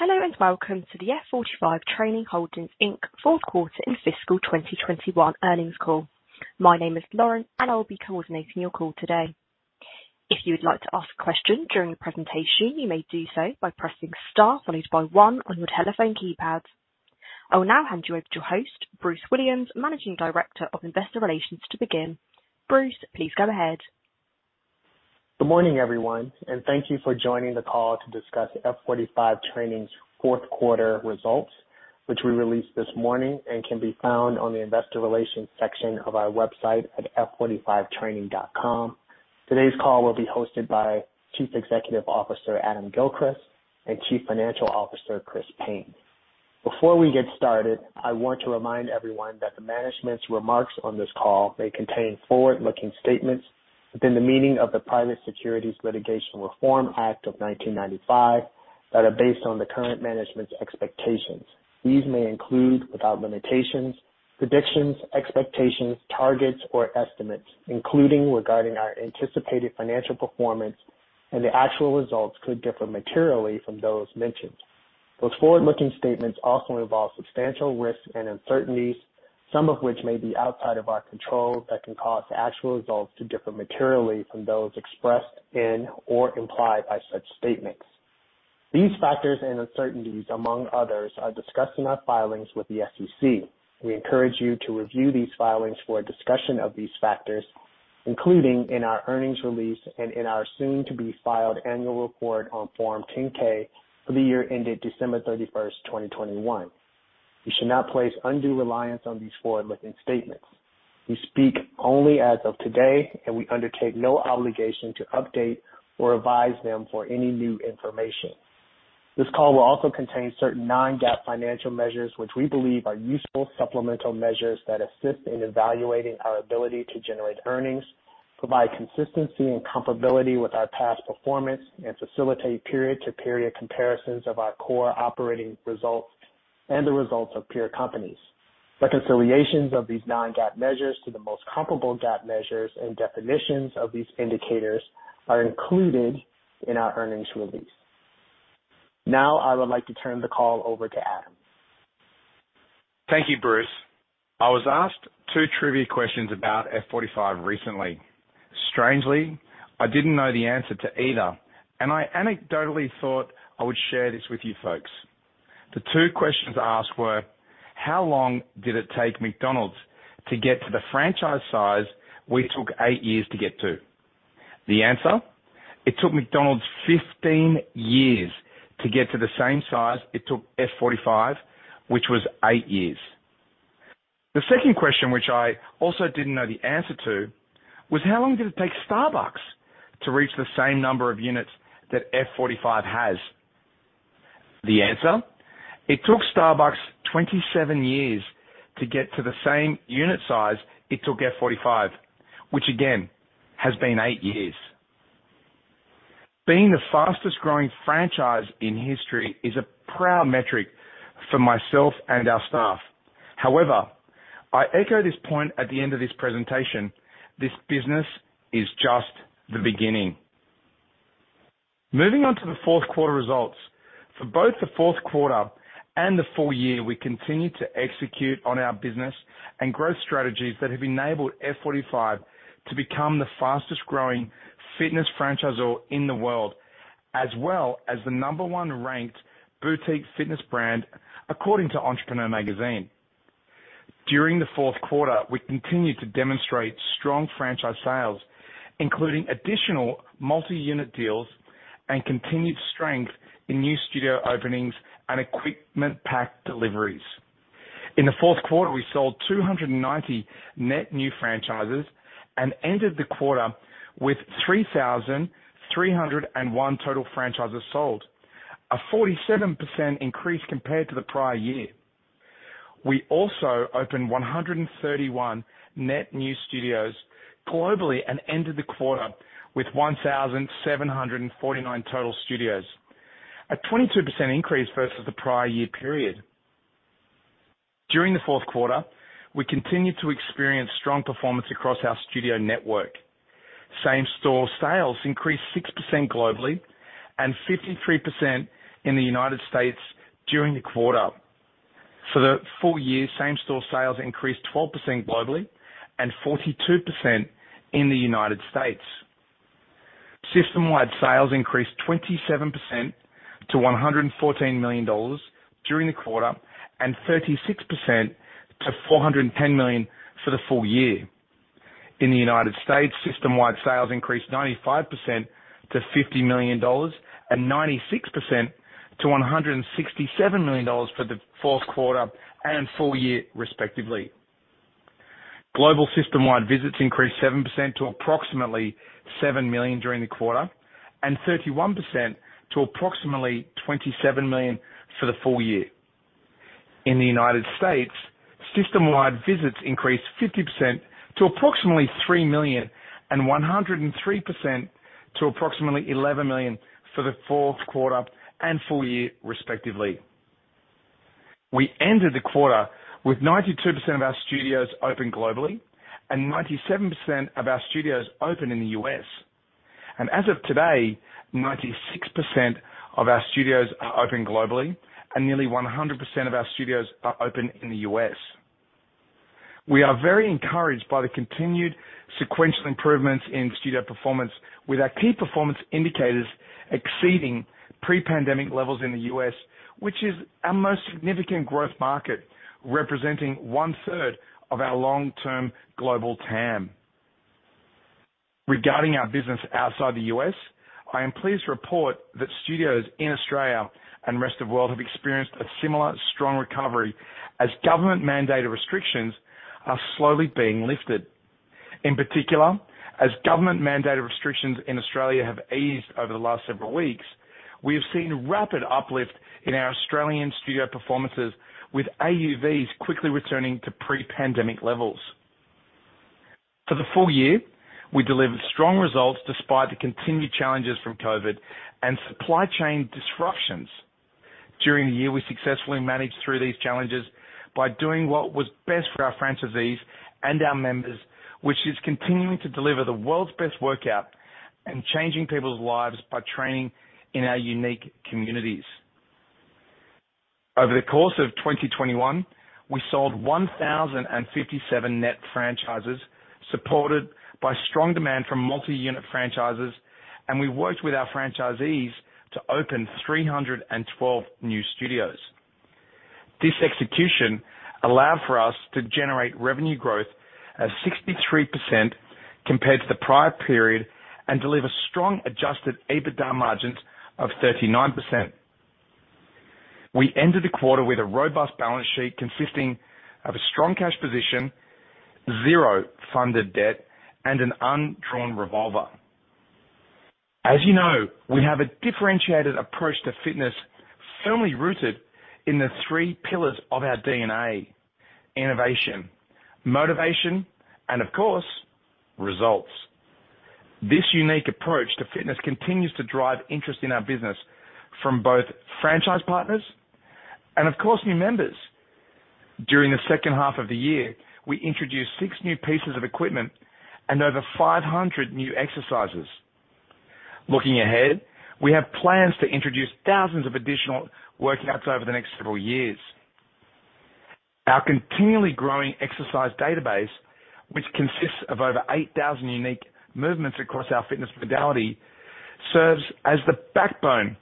Hello, and welcome to the F45 Training Holdings, Inc fourth quarter and fiscal 2021 earnings call. My name is Lauren, and I will be coordinating your call today. If you would like to ask questions during the presentation, you may do so by pressing star followed by one on your telephone keypads. I will now hand you over to your host, Bruce Williams, Managing Director of Investor Relations to begin. Bruce, please go ahead. Good morning, everyone, and thank you for joining the call to discuss F45 Training's fourth quarter results, which we released this morning and can be found on the investor relations section of our website at f45training.com. Today's call will be hosted by Chief Executive Officer, Adam Gilchrist, and Chief Financial Officer, Chris Payne. Before we get started, I want to remind everyone that the management's remarks on this call may contain forward-looking statements within the meaning of the Private Securities Litigation Reform Act of 1995 that are based on the current management's expectations. These may include, without limitations, predictions, expectations, targets or estimates, including regarding our anticipated financial performance and the actual results could differ materially from those mentioned. Those forward-looking statements also involve substantial risks and uncertainties, some of which may be outside of our control that can cause the actual results to differ materially from those expressed in or implied by such statements. These factors and uncertainties, among others, are discussed in our filings with the SEC. We encourage you to review these filings for a discussion of these factors, including in our earnings release and in our soon to be filed annual report on Form 10-K for the year ended December 31, 2021. You should not place undue reliance on these forward-looking statements. We speak only as of today, and we undertake no obligation to update or revise them for any new information. This call will also contain certain non-GAAP financial measures, which we believe are useful supplemental measures that assist in evaluating our ability to generate earnings, provide consistency and comparability with our past performance, and facilitate period-to-period comparisons of our core operating results and the results of peer companies. Reconciliations of these non-GAAP measures to the most comparable GAAP measures and definitions of these indicators are included in our earnings release. Now, I would like to turn the call over to Adam. Thank you, Bruce. I was asked two trivia questions about F45 recently. Strangely, I didn't know the answer to either, and I anecdotally thought I would share this with you folks. The two questions asked were. How long did it take McDonald's to get to the franchise size we took right years to get to? The answer, it took McDonald's 15 years to get to the same size it took F45, which was eight years. The second question, which I also didn't know the answer to, was how long did it take Starbucks to reach the same number of units that F45 has? The answer, it took Starbucks 27 years to get to the same unit size it took F45, which again has been eight years. Being the fastest growing franchise in history is a proud metric for myself and our staff. However, I echo this point at the end of this presentation. This business is just the beginning. Moving on to the fourth quarter results. For both the fourth quarter and the full year, we continued to execute on our business and growth strategies that have enabled F45 to become the fastest growing fitness franchisor in the world, as well as the number one ranked boutique fitness brand according to Entrepreneur magazine. During the fourth quarter, we continued to demonstrate strong franchise sales, including additional multi-unit deals and continued strength in new studio openings and equipment pack deliveries. In the fourth quarter, we sold 290 net new franchises and ended the quarter with 3,301 total franchises sold, a 47% increase compared to the prior year. We also opened 131 net new studios globally and ended the quarter with 1,749 total studios, a 22% increase versus the prior year period. During the fourth quarter, we continued to experience strong performance across our studio network. Same-store sales increased 6% globally and 53% in the United States during the quarter. For the full year, same-store sales increased 12% globally and 42% in the United States. System-wide sales increased 27% to $114 million during the quarter and 36% to $410 million for the full year. In the United States, system-wide sales increased 95% to $50 million and 96% to $167 million for the fourth quarter and full year, respectively. Global system-wide visits increased 7% to approximately 7 million during the quarter and 31% to approximately 27 million for the full year. In the United States, system-wide visits increased 50% to approximately 3 million and 103% to approximately 11 million for the fourth quarter and full year, respectively. We ended the quarter with 92% of our studios open globally, and 97% of our studios open in the U.S. As of today, 96% of our studios are open globally, and nearly 100% of our studios are open in the U.S. We are very encouraged by the continued sequential improvements in studio performance with our key performance indicators exceeding pre-pandemic levels in the U.S., which is our most significant growth market, representing 1/3 of our long-term global TAM. Regarding our business outside the U.S., I am pleased to report that studios in Australia and rest of world have experienced a similar strong recovery as government-mandated restrictions are slowly being lifted. In particular, as government-mandated restrictions in Australia have eased over the last several weeks, we have seen rapid uplift in our Australian studio performances, with AUVs quickly returning to pre-pandemic levels. For the full year, we delivered strong results despite the continued challenges from COVID and supply chain disruptions. During the year, we successfully managed through these challenges by doing what was best for our franchisees and our members, which is continuing to deliver the world's best workout and changing people's lives by training in our unique communities. Over the course of 2021, we sold 1,057 net franchises, supported by strong demand from multi-unit franchises, and we worked with our franchisees to open 312 new studios. This execution allowed for us to generate revenue growth of 63% compared to the prior period and deliver strong adjusted EBITDA margins of 39%. We ended the quarter with a robust balance sheet consisting of a strong cash position, zero funded debt, and an undrawn revolver. As you know, we have a differentiated approach to fitness firmly rooted in the three pillars of our DNA: innovation, motivation, and of course, results. This unique approach to fitness continues to drive interest in our business from both franchise partners and, of course, new members. During the second half of the year, we introduced six new pieces of equipment and over 500 new exercises. Looking ahead, we have plans to introduce thousands of additional workouts over the next several years. Our continually growing exercise database, which consists of over 8,000 unique movements across our fitness modality, serves as the backbone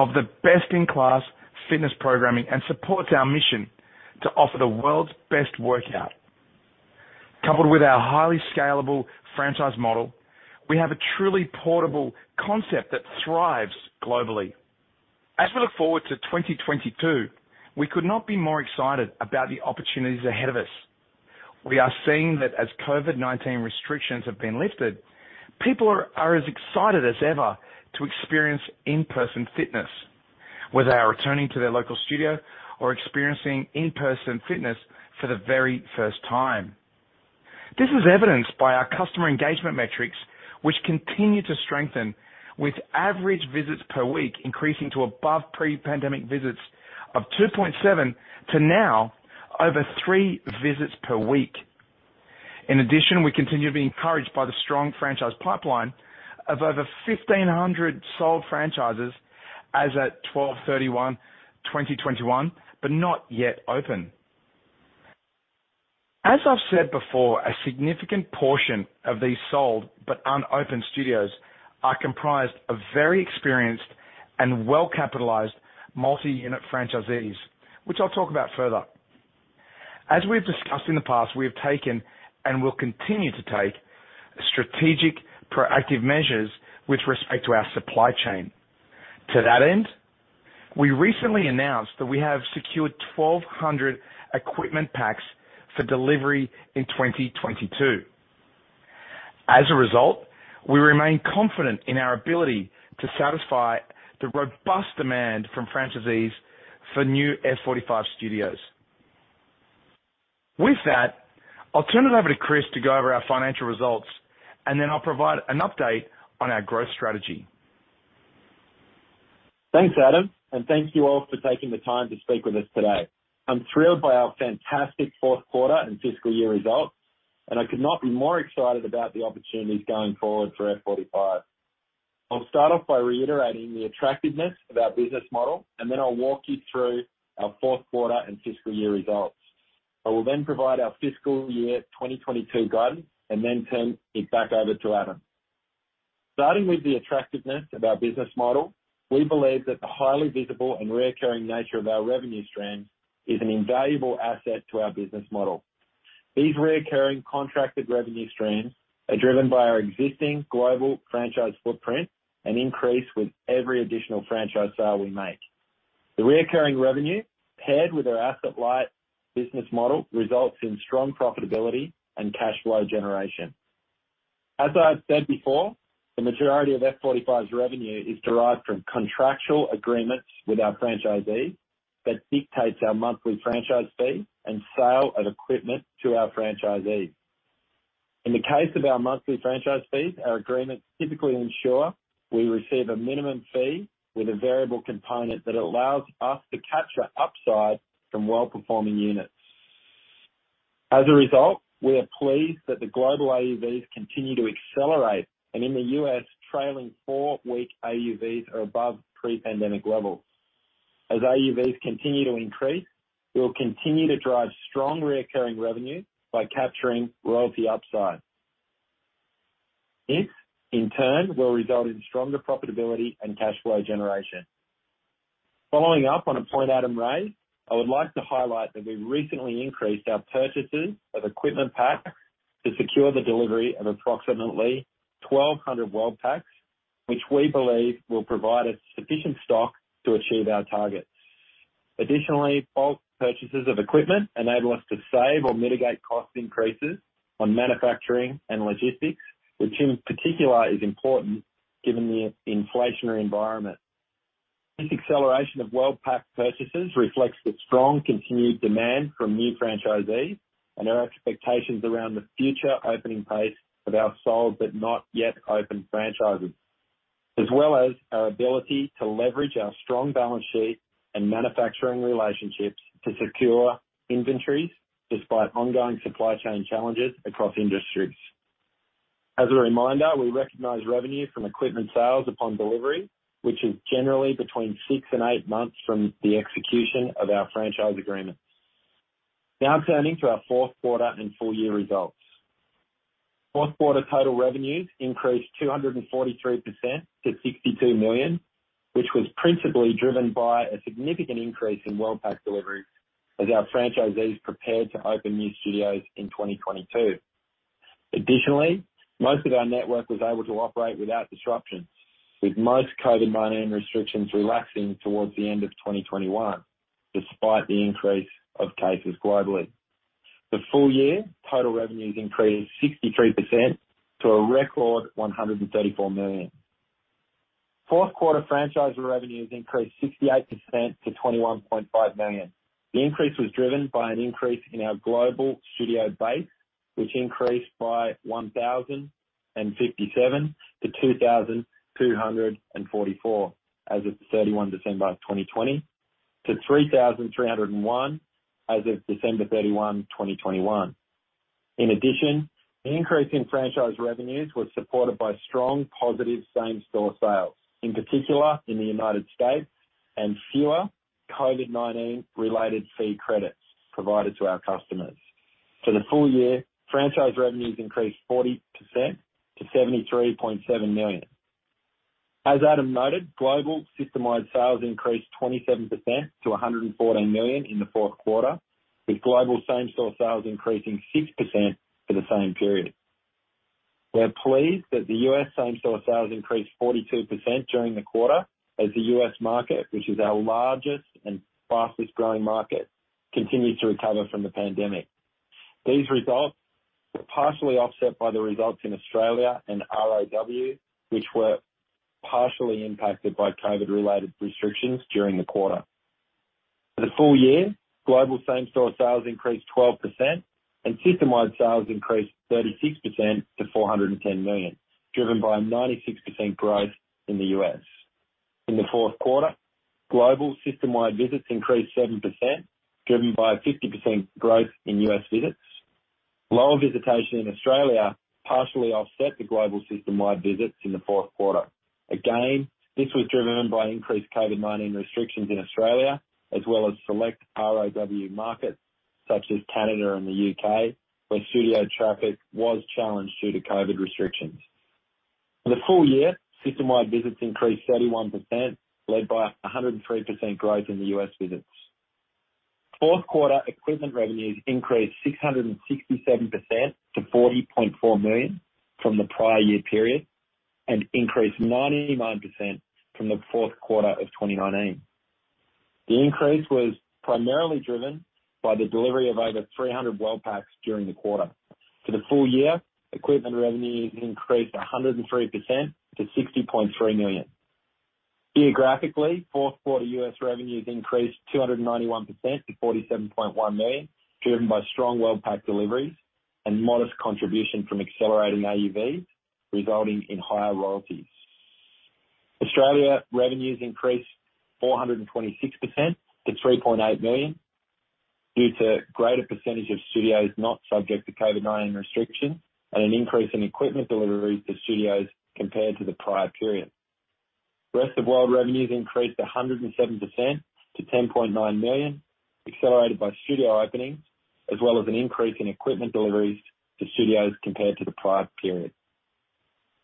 of the best-in-class fitness programming and supports our mission to offer the world's best workout. Coupled with our highly scalable franchise model, we have a truly portable concept that thrives globally. As we look forward to 2022, we could not be more excited about the opportunities ahead of us. We are seeing that as COVID-19 restrictions have been lifted, people are as excited as ever to experience in-person fitness, whether they are returning to their local studio or experiencing in-person fitness for the very first time. This is evidenced by our customer engagement metrics, which continue to strengthen, with average visits per week increasing to above pre-pandemic visits of 2.7 to now over 3 visits per week. In addition, we continue to be encouraged by the strong franchise pipeline of over 1,500 sold franchises as at 12/31/2021, but not yet open. As I've said before, a significant portion of these sold but unopened studios are comprised of very experienced and well-capitalized multi-unit franchisees, which I'll talk about further. As we've discussed in the past, we have taken and will continue to take strategic proactive measures with respect to our supply chain. To that end, we recently announced that we have secured 1,200 equipment packs for delivery in 2022. As a result, we remain confident in our ability to satisfy the robust demand from franchisees for new F45 studios. With that, I'll turn it over to Chris to go over our financial results, and then I'll provide an update on our growth strategy. Thanks, Adam, and thank you all for taking the time to speak with us today. I'm thrilled by our fantastic fourth quarter and fiscal year results, and I could not be more excited about the opportunities going forward for F45. I'll start off by reiterating the attractiveness of our business model, and then I'll walk you through our fourth quarter and fiscal year results. I will then provide our fiscal year 2022 guidance and then turn it back over to Adam. Starting with the attractiveness of our business model, we believe that the highly visible and recurring nature of our revenue stream is an invaluable asset to our business model. These recurring contracted revenue streams are driven by our existing global franchise footprint and increase with every additional franchise sale we make. The recurring revenue, paired with our asset-light business model, results in strong profitability and cash flow generation. As I've said before, the majority of F45's revenue is derived from contractual agreements with our franchisees that dictate our monthly franchise fee and sale of equipment to our franchisees. In the case of our monthly franchise fees, our agreements typically ensure we receive a minimum fee with a variable component that allows us to capture upside from well-performing units. As a result, we are pleased that the global AUVs continue to accelerate, and in the U.S. trailing four-week AUVs are above pre-pandemic levels. As AUVs continue to increase, we will continue to drive strong recurring revenue by capturing royalty upside. This, in turn, will result in stronger profitability and cash flow generation. Following up on a point Adam raised, I would like to highlight that we recently increased our purchases of equipment packs to secure the delivery of approximately 1,200 World Packs, which we believe will provide us sufficient stock to achieve our targets. Additionally, bulk purchases of equipment enable us to save or mitigate cost increases on manufacturing and logistics, which in particular is important given the inflationary environment. This acceleration of World Pack purchases reflects the strong continued demand from new franchisees and our expectations around the future opening pace of our sold but not yet open franchises, as well as our ability to leverage our strong balance sheet and manufacturing relationships to secure inventories despite ongoing supply chain challenges across industries. As a reminder, we recognize revenue from equipment sales upon delivery, which is generally between six and eight months from the execution of our franchise agreements. Now turning to our fourth quarter and full-year results. Fourth quarter total revenues increased 243% to $62 million, which was principally driven by a significant increase in World Pack delivery as our franchisees prepared to open new studios in 2022. Most of our network was able to operate without disruptions, with most COVID-19 restrictions relaxing towards the end of 2021, despite the increase of cases globally. Full-year total revenues increased 63% to a record $134 million. Fourth quarter franchisor revenues increased 68% to $21.5 million. The increase was driven by an increase in our global studio base, which increased by 1,057 to 2,244 as of December 31, 2020, to 3,301 as of December 31, 2021. In addition, the increase in franchise revenues was supported by strong positive same-store sales, in particular in the United States, and fewer COVID-19 related fee credits provided to our customers. For the full year, franchise revenues increased 40% to $73.7 million. As Adam noted, global system-wide sales increased 27% to $114 million in the fourth quarter, with global same-store sales increasing 6% for the same period. We're pleased that the U.S. same-store sales increased 42% during the quarter as the U.S. market, which is our largest and fastest-growing market, continues to recover from the pandemic. These results were partially offset by the results in Australia and ROW, which were partially impacted by COVID-related restrictions during the quarter. For the full year, global same-store sales increased 12% and system-wide sales increased 36% to $410 million, driven by a 96% growth in the U.S. In the fourth quarter, global system-wide visits increased 7%, driven by a 50% growth in U.S. visits. Lower visitation in Australia partially offset the global system-wide visits in the fourth quarter. This was driven by increased COVID-19 restrictions in Australia as well as select ROW markets such as Canada and the U.K., where studio traffic was challenged due to COVID restrictions. For the full year, system-wide visits increased 31%, led by a 103% growth in the U.S. visits. Fourth quarter equipment revenues increased 667% to $40.4 million from the prior year period, and increased 99% from the fourth quarter of 2019. The increase was primarily driven by the delivery of over 300 World Pack during the quarter. For the full year, equipment revenues increased 103% to $60.3 million. Geographically, fourth quarter U.S. revenues increased 291% to $47.1 million, driven by strong World Pack deliveries and modest contribution from accelerating AUVs, resulting in higher royalties. Australia revenues increased 426% to $3.8 million due to greater percentage of studios not subject to COVID-19 restrictions and an increase in equipment deliveries to studios compared to the prior period. Rest of World revenues increased 107% to $10.9 million, accelerated by studio openings as well as an increase in equipment deliveries to studios compared to the prior period.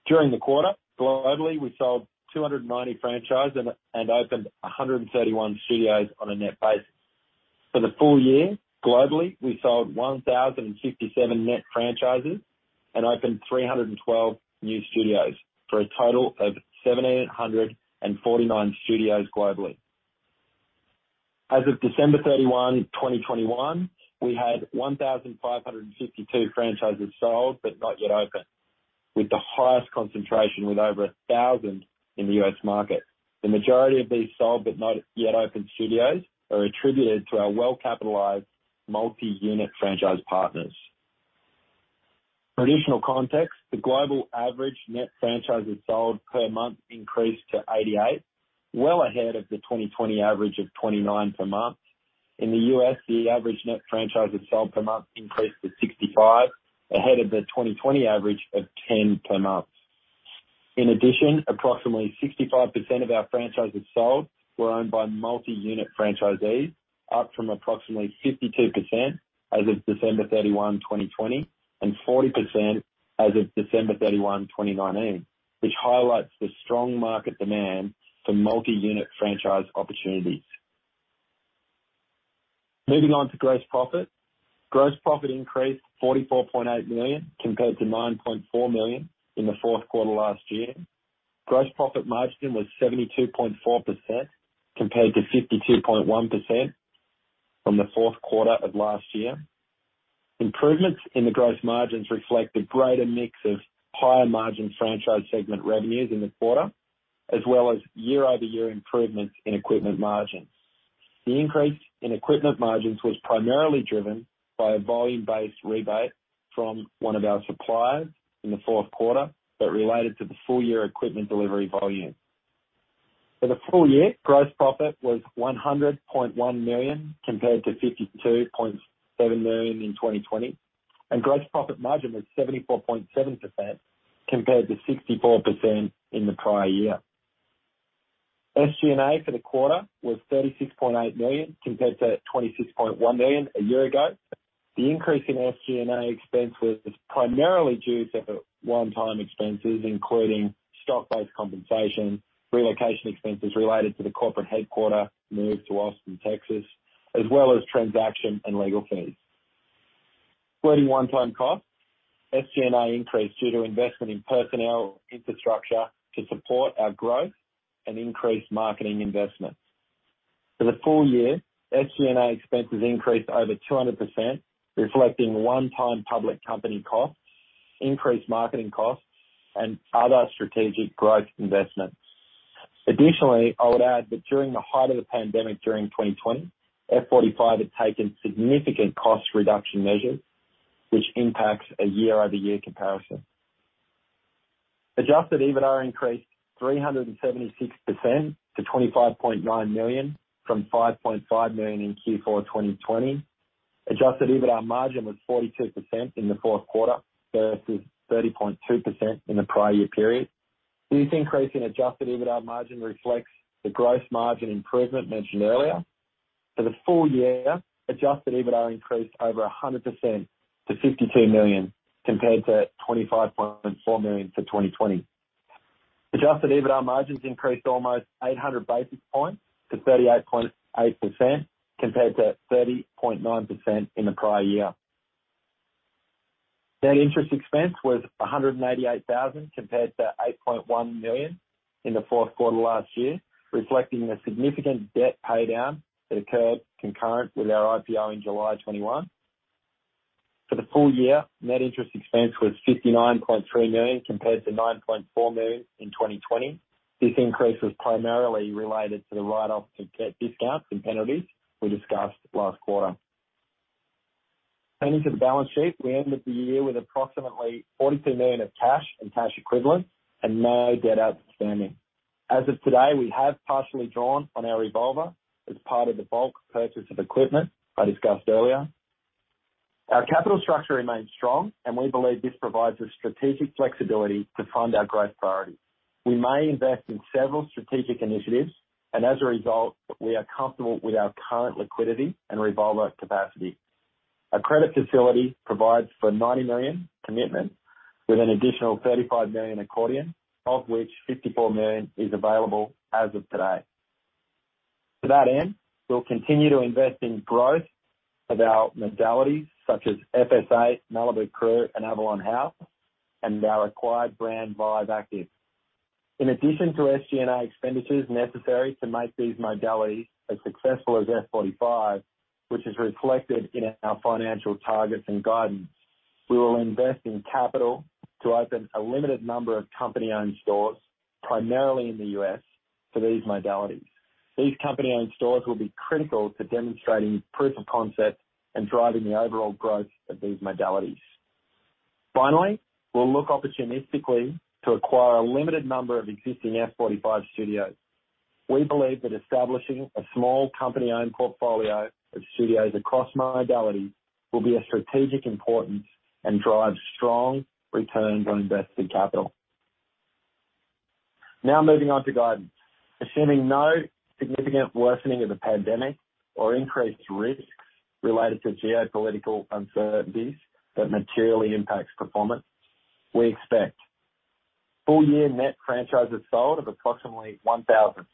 During the quarter, globally, we sold 290 franchises and opened 131 studios on a net basis. For the full year, globally, we sold 1,067 net franchises and opened 312 new studios for a total of 1,749 studios globally. As of December 31, 2021, we had 1,552 franchises sold but not yet open, with the highest concentration with over 1,000 in the U.S. market. The majority of these sold but not yet open studios are attributed to our well-capitalized multi-unit franchise partners. For additional context, the global average net franchises sold per month increased to 88, well ahead of the 2020 average of 29 per month. In the U.S., the average net franchises sold per month increased to 65, ahead of the 2020 average of 10 per month. In addition, approximately 65% of our franchises sold were owned by multi-unit franchisees, up from approximately 52% as of December 31, 2020 and 40% as of December 31, 2019, which highlights the strong market demand for multi-unit franchise opportunities. Moving on to gross profit. Gross profit increased $44.8 million compared to $9.4 million in the fourth quarter last year. Gross profit margin was 72.4% compared to 52.1% from the fourth quarter of last year. Improvements in the gross margins reflect the greater mix of higher margin franchise segment revenues in the quarter, as well as year-over-year improvements in equipment margins. The increase in equipment margins was primarily driven by a volume-based rebate from one of our suppliers in the fourth quarter, but related to the full-year equipment delivery volume. For the full year, gross profit was $101 million compared to $52.7 million in 2020, and gross profit margin was 74.7% compared to 64% in the prior year. SG&A for the quarter was $36.8 million compared to $26.1 million a year ago. The increase in SG&A expense was primarily due to one-time expenses, including stock-based compensation, relocation expenses related to the corporate headquarter move to Austin, Texas, as well as transaction and legal fees. Excluding one-time costs, SG&A increased due to investment in personnel infrastructure to support our growth and increased marketing investments. For the full year, SG&A expenses increased over 200%, reflecting one-time public company costs, increased marketing costs, and other strategic growth investments. Additionally, I would add that during the height of the pandemic during 2020, F45 had taken significant cost reduction measures, which impacts a year-over-year comparison. Adjusted EBITDA increased 376% to $25.9 million from $5.5 million in Q4 2020. Adjusted EBITDA margin was 42% in the fourth quarter versus 30.2% in the prior year period. This increase in adjusted EBITDA margin reflects the gross margin improvement mentioned earlier. For the full year, adjusted EBITDA increased over 100% to $52 million compared to $25.4 million for 2020. Adjusted EBITDA margins increased almost 800 basis points to 38.8% compared to 30.9% in the prior year. Net interest expense was $188,000 compared to $8.1 million in the fourth quarter last year, reflecting the significant debt pay down that occurred concurrent with our IPO in July 2021. For the full year, net interest expense was $59.3 million compared to $9.4 million in 2020. This increase was primarily related to the write-off of debt discounts and penalties we discussed last quarter. Turning to the balance sheet, we ended the year with approximately $42 million of cash and cash equivalents and no debt outstanding. As of today, we have partially drawn on our revolver as part of the bulk purchase of equipment I discussed earlier. Our capital structure remains strong and we believe this provides a strategic flexibility to fund our growth priorities. We may invest in several strategic initiatives and as a result, we are comfortable with our current liquidity and revolver capacity. Our credit facility provides for $90 million commitment with an additional $35 million accordion, of which $54 million is available as of today. To that end, we'll continue to invest in growth of our modalities such as FS8, Malibu Crew and Avalon House and our acquired brand, Vive Active. In addition to SG&A expenditures necessary to make these modalities as successful as F45, which is reflected in our financial targets and guidance, we will invest in capital to open a limited number of company-owned stores, primarily in the U.S. for these modalities. These company-owned stores will be critical to demonstrating proof of concept and driving the overall growth of these modalities. Finally, we'll look opportunistically to acquire a limited number of existing F45 studios. We believe that establishing a small company-owned portfolio of studios across modalities will be of strategic importance and drive strong returns on invested capital. Now moving on to guidance. Assuming no significant worsening of the pandemic or increased risks related to geopolitical uncertainties that materially impacts performance, we expect full year net franchises sold of approximately 1,000.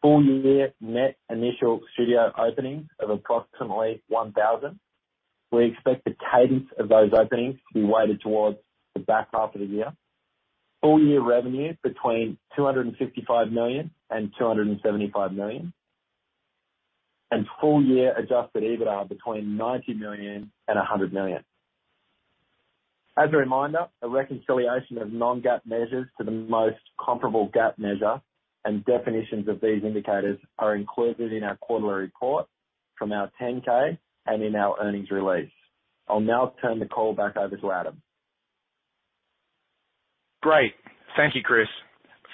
Full year net initial studio openings of approximately 1,000. We expect the cadence of those openings to be weighted towards the back half of the year. Full year revenue between $255 million and $275 million. Full year Adjusted EBITDA between $90 million and $100 million. As a reminder, a reconciliation of non-GAAP measures to the most comparable GAAP measure and definitions of these indicators are included in our quarterly report, Form 10-K, and in our earnings release. I'll now turn the call back over to Adam. Great. Thank you, Chris.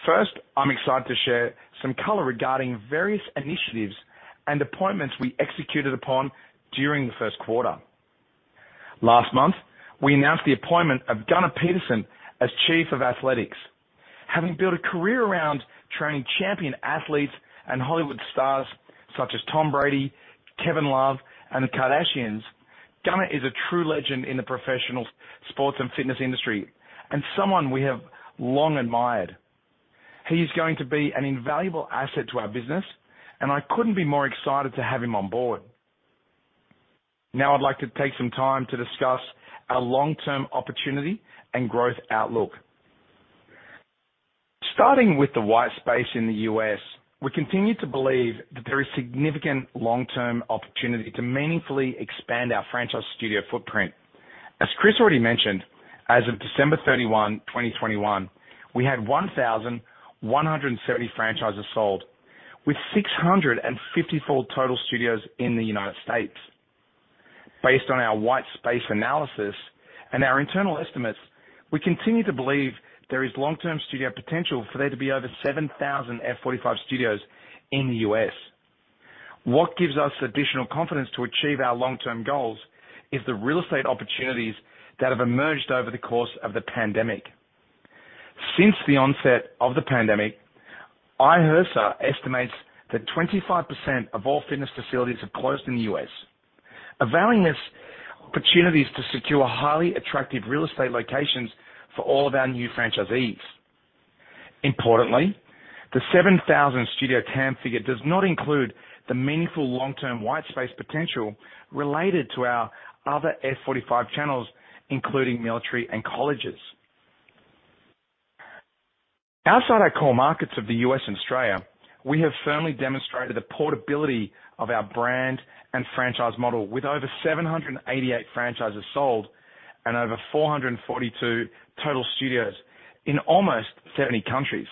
First, I'm excited to share some color regarding various initiatives and appointments we executed upon during the first quarter. Last month, we announced the appointment of Gunnar Peterson as Chief of Athletics. Having built a career around training champion athletes and Hollywood stars such as Tom Brady, Kevin Love, and the Kardashians, Gunnar is a true legend in the professional sports and fitness industry and someone we have long admired. He's going to be an invaluable asset to our business, and I couldn't be more excited to have him on board. Now, I'd like to take some time to discuss our long-term opportunity and growth outlook. Starting with the white space in the U.S., we continue to believe that there is significant long-term opportunity to meaningfully expand our franchise studio footprint. As Chris already mentioned, as of December 31, 2021, we had 1,170 franchises sold, with 654 total studios in the United States. Based on our white space analysis and our internal estimates, we continue to believe there is long-term studio potential for there to be over 7,000 F45 studios in the U.S. What gives us additional confidence to achieve our long-term goals is the real estate opportunities that have emerged over the course of the pandemic. Since the onset of the pandemic, IHRSA estimates that 25% of all fitness facilities have closed in the U.S., availing us opportunities to secure highly attractive real estate locations for all of our new franchisees. Importantly, the 7,000 studio TAM figure does not include the meaningful long-term white space potential related to our other F45 channels, including military and colleges. Outside our core markets of the U.S. and Australia, we have firmly demonstrated the portability of our brand and franchise model with over 788 franchises sold and over 442 total studios in almost 70 countries.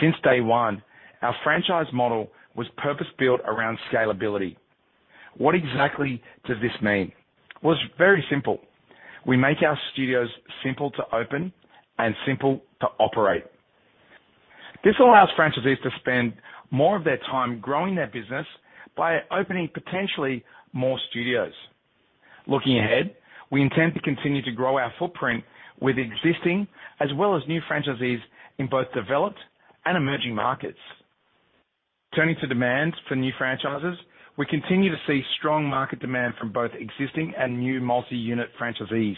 Since day one, our franchise model was purpose-built around scalability. What exactly does this mean? Well, it's very simple. We make our studios simple to open and simple to operate. This allows franchisees to spend more of their time growing their business by opening potentially more studios. Looking ahead, we intend to continue to grow our footprint with existing as well as new franchisees in both developed and emerging markets. Turning to demand for new franchises, we continue to see strong market demand from both existing and new multi-unit franchisees.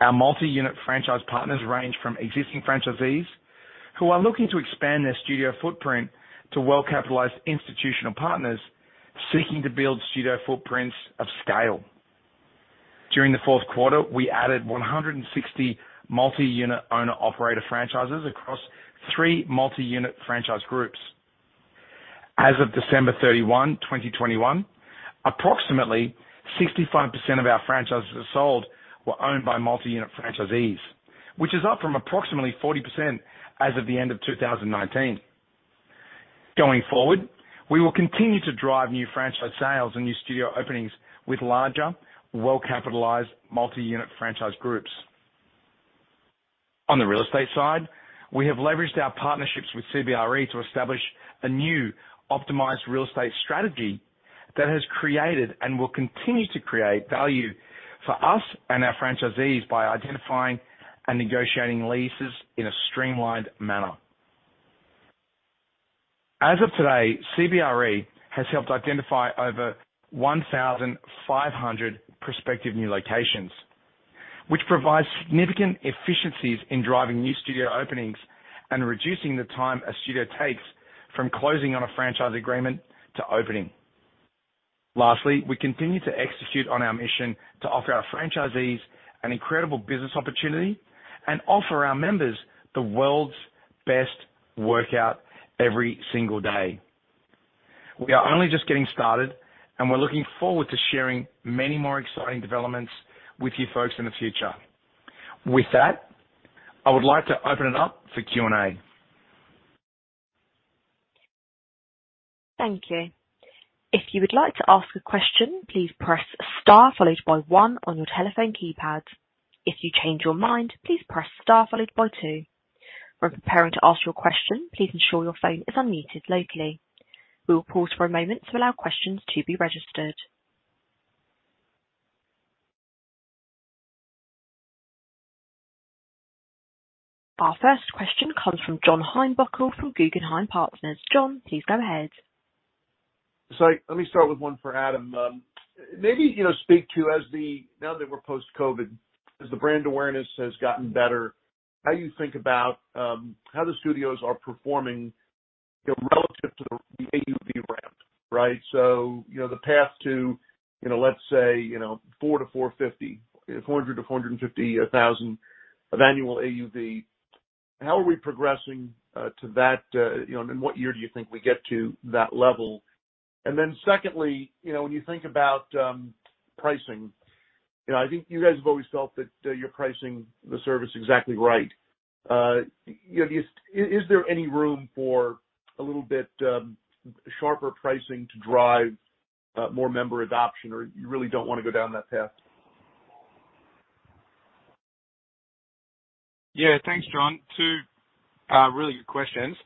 Our multi-unit franchise partners range from existing franchisees who are looking to expand their studio footprint to well-capitalized institutional partners seeking to build studio footprints of scale. During the fourth quarter, we added 160 multi-unit owner operator franchises across three multi-unit franchise groups. As of December 31, 2021, approximately 65% of our franchises sold were owned by multi-unit franchisees, which is up from approximately 40% as of the end of 2019. Going forward, we will continue to drive new franchise sales and new studio openings with larger, well-capitalized multi-unit franchise groups. On the real estate side, we have leveraged our partnerships with CBRE to establish a new optimized real estate strategy that has created and will continue to create value for us and our franchisees by identifying and negotiating leases in a streamlined manner. As of today, CBRE has helped identify over 1,500 prospective new locations, which provides significant efficiencies in driving new studio openings and reducing the time a studio takes from closing on a franchise agreement to opening. Lastly, we continue to execute on our mission to offer our franchisees an incredible business opportunity and offer our members the world's best workout every single day. We are only just getting started, and we're looking forward to sharing many more exciting developments with you folks in the future. With that, I would like to open it up for Q&A. Our first question comes from John Heinbockel from Guggenheim Partners. John, please go ahead. Let me start with one for Adam. Maybe, you know, speak to now that we're post-COVID, as the brand awareness has gotten better, how you think about, how the studios are performing relative to the AUV ramp, right? You know, the path to, you know, let's say, you know, $400,000-$450,000 of annual AUV. How are we progressing to that, you know, in what year do you think we get to that level? Then secondly, you know, when you think about, pricing, you know, I think you guys have always felt that you're pricing the service exactly right. You know, just, is there any room for a little bit, sharper pricing to drive, more member adoption, or you really don't wanna go down that path? Yeah. Thanks, John. Two really good questions.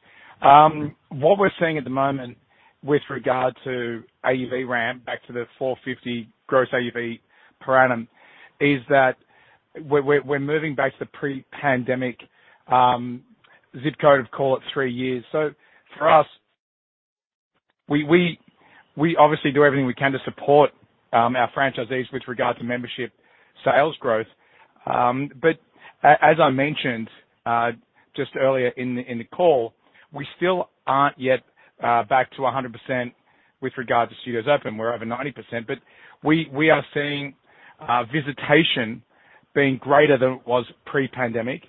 What we're seeing at the moment with regard to AUV ramp back to the 450 gross AUV per annum is that we're moving back to the pre-pandemic ZIP code of, call it, three years. So for us, we obviously do everything we can to support our franchisees with regard to membership sales growth. But as I mentioned just earlier in the call, we still aren't yet back to 100% with regard to studios open. We're over 90%, but we are seeing visitation being greater than it was pre-pandemic.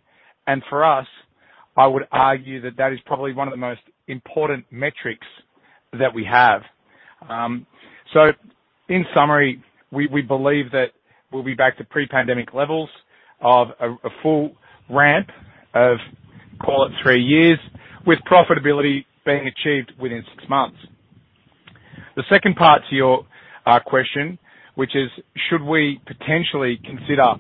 For us, I would argue that that is probably one of the most important metrics that we have. In summary, we believe that we'll be back to pre-pandemic levels of a full ramp of, call it, three years, with profitability being achieved within six months. The second part to your question, which is should we potentially consider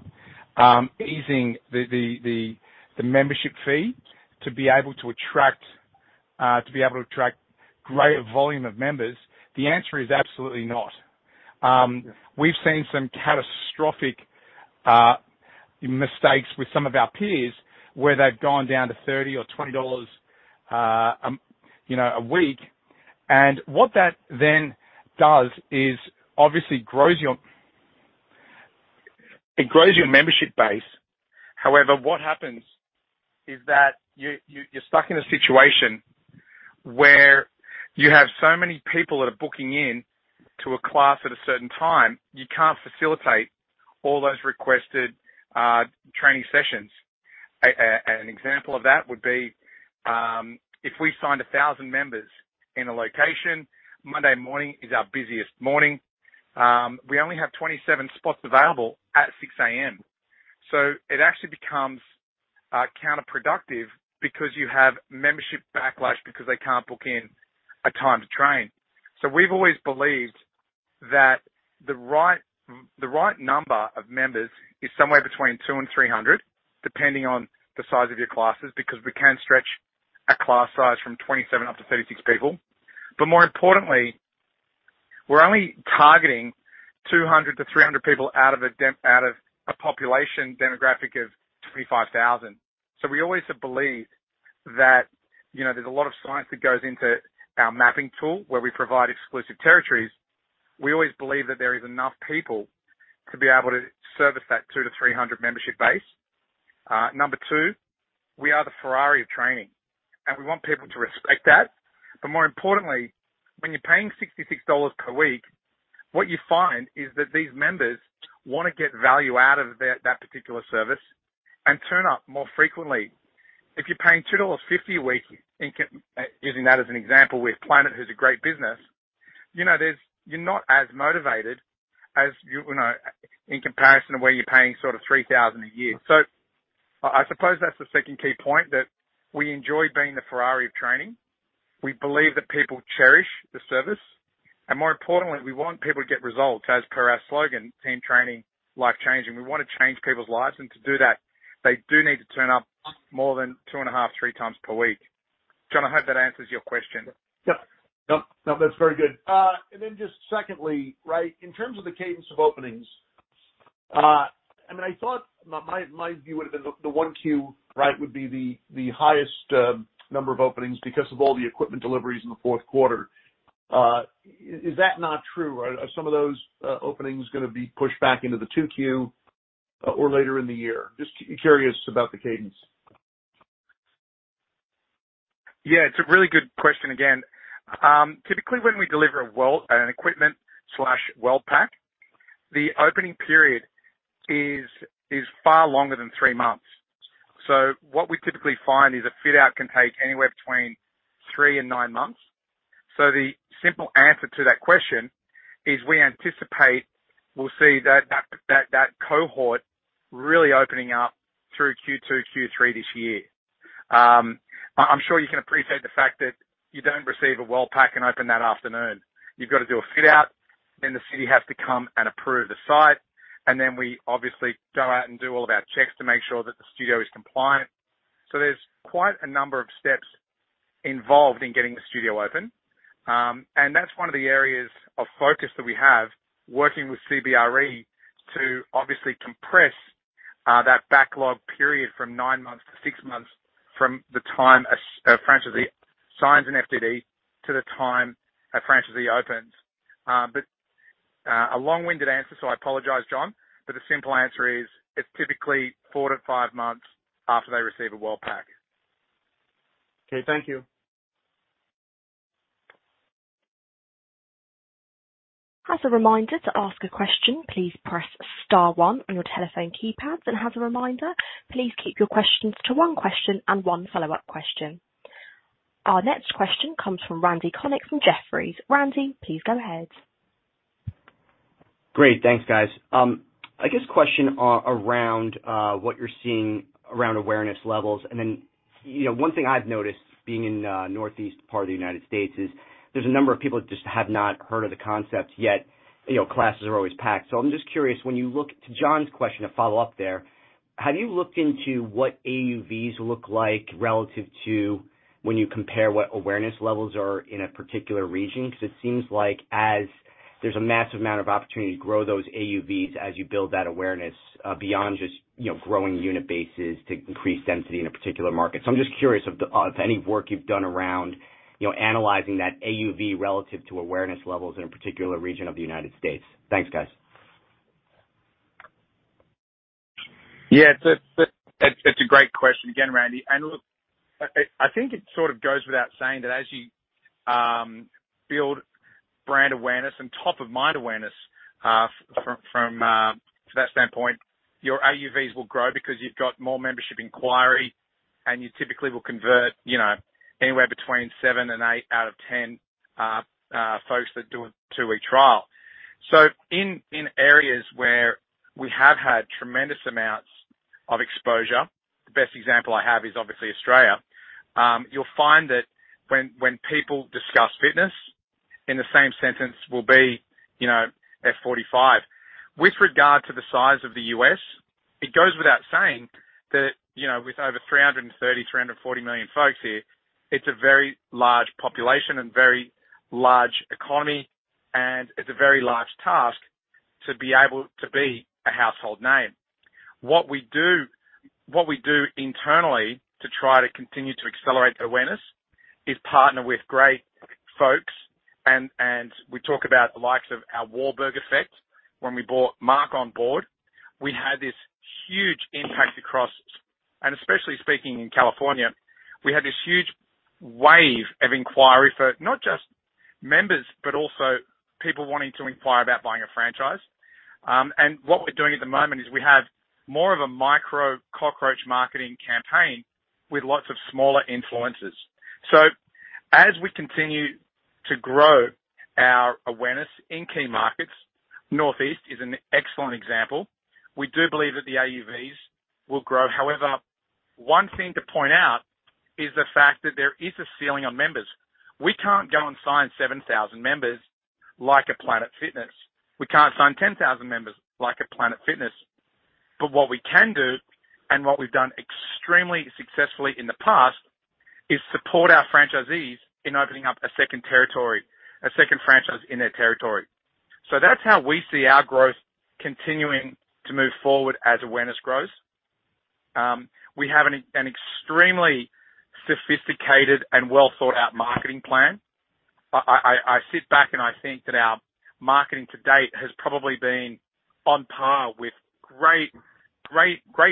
easing the membership fee to be able to attract greater volume of members? The answer is absolutely not. We've seen some catastrophic mistakes with some of our peers, where they've gone down to $30 or $20, you know, a week. What that then does is obviously it grows your membership base. However, what happens is that you're stuck in a situation where you have so many people that are booking in to a class at a certain time, you can't facilitate all those requested training sessions. An example of that would be if we signed 1,000 members in a location. Monday morning is our busiest morning. We only have 27 spots available at 6:00 A.M. It actually becomes counterproductive because you have membership backlash because they can't book in a time to train. We've always believed that the right number of members is somewhere between 200-300, depending on the size of your classes, because we can stretch a class size from 27 up to 36 people. More importantly, we're only targeting 200-300 people out of a population demographic of 25,000. We always have believed that, you know, there's a lot of science that goes into our mapping tool, where we provide exclusive territories. We always believe that there is enough people to be able to service that 200-300 membership base. Number two, we are the Ferrari of training, and we want people to respect that. More importantly, when you're paying $66 per week, what you find is that these members wanna get value out of that particular service and turn up more frequently. If you're paying $2.50 a week, using that as an example with Planet Fitness, who's a great business, you know, there's, you're not as motivated as, you know, in comparison to where you're paying sort of $3,000 a year. I suppose that's the second key point, that we enjoy being the Ferrari of training. We believe that people cherish the service. More importantly, we want people to get results as per our slogan, "Team training, life changing." We wanna change people's lives. To do that, they do need to turn up more than 2.5, 3 times per week. John, I hope that answers your question. Yep. Nope. Nope. That's very good. Just secondly, right, in terms of the cadence of openings, I mean, I thought my view would have been the Q1, right, would be the highest number of openings because of all the equipment deliveries in the fourth quarter. Is that not true? Are some of those openings gonna be pushed back into the Q2 or later in the year? Just curious about the cadence. Yeah, it's a really good question again. Typically, when we deliver a World Pack, the opening period is far longer than three months. What we typically find is a fit-out can take anywhere between three and nine months. The simple answer to that question is we anticipate we'll see that cohort really opening up through Q2, Q3 this year. I'm sure you can appreciate the fact that you don't receive a World Pack and open that afternoon. You've got to do a fit-out, then the city has to come and approve the site, and then we obviously go out and do all of our checks to make sure that the studio is compliant. There's quite a number of steps involved in getting the studio open. That's one of the areas of focus that we have working with CBRE to obviously compress that backlog period from nine months to six months from the time a franchisee signs an FDD to the time a franchisee opens. A long-winded answer, so I apologize, John, but the simple answer is it's typically four to five months after they receive a World Pack. Okay. Thank you. As a reminder, to ask a question, please press star one on your telephone keypads. As a reminder, please keep your questions to one question and one follow-up question. Our next question comes from Randy Konik from Jefferies. Randy, please go ahead. Great. Thanks, guys. I guess question around what you're seeing around awareness levels. Then, you know, one thing I've noticed being in the Northeast part of the United States is there's a number of people that just have not heard of the concept yet. You know, classes are always packed. So I'm just curious. To John's question, a follow-up there, have you looked into what AUVs look like relative to when you compare what awareness levels are in a particular region? 'Cause it seems like as there's a massive amount of opportunity to grow those AUVs as you build that awareness, beyond just, you know, growing unit bases to increase density in a particular market. I'm just curious of any work you've done around, you know, analyzing that AUV relative to awareness levels in a particular region of the United States. Thanks, guys. Yeah. It's a great question again, Randy. Look, I think it sort of goes without saying that as you build brand awareness and top of mind awareness from that standpoint, your AUVs will grow because you've got more membership inquiry, and you typically will convert, you know, anywhere between 7 and 8 out of 10 folks that do a two-week trial. In areas where we have had tremendous amounts of exposure, the best example I have is obviously Australia. You'll find that when people discuss fitness in the same sentence will be, you know, F45. With regard to the size of the U.S., it goes without saying that, you know, with over 340 million folks here, it's a very large population and very large economy, and it's a very large task to be able to be a household name. What we do internally to try to continue to accelerate awareness is partner with great folks and we talk about the likes of our Wahlberg effect. When we brought Mark on board, we had this huge impact across and especially speaking in California, we had this huge wave of inquiry for not just members, but also people wanting to inquire about buying a franchise. What we're doing at the moment is we have more of a micro-influencer marketing campaign with lots of smaller influencers. As we continue to grow our awareness in key markets, Northeast is an excellent example. We do believe that the AUVs will grow. However, one thing to point out is the fact that there is a ceiling on members. We can't go and sign 7,000 members like a Planet Fitness. We can't sign 10,000 members like a Planet Fitness. But what we can do, and what we've done extremely successfully in the past, is support our franchisees in opening up a second territory, a second franchise in their territory. That's how we see our growth continuing to move forward as awareness grows. We have an extremely sophisticated and well-thought-out marketing plan. I sit back and I think that our marketing to date has probably been on par with great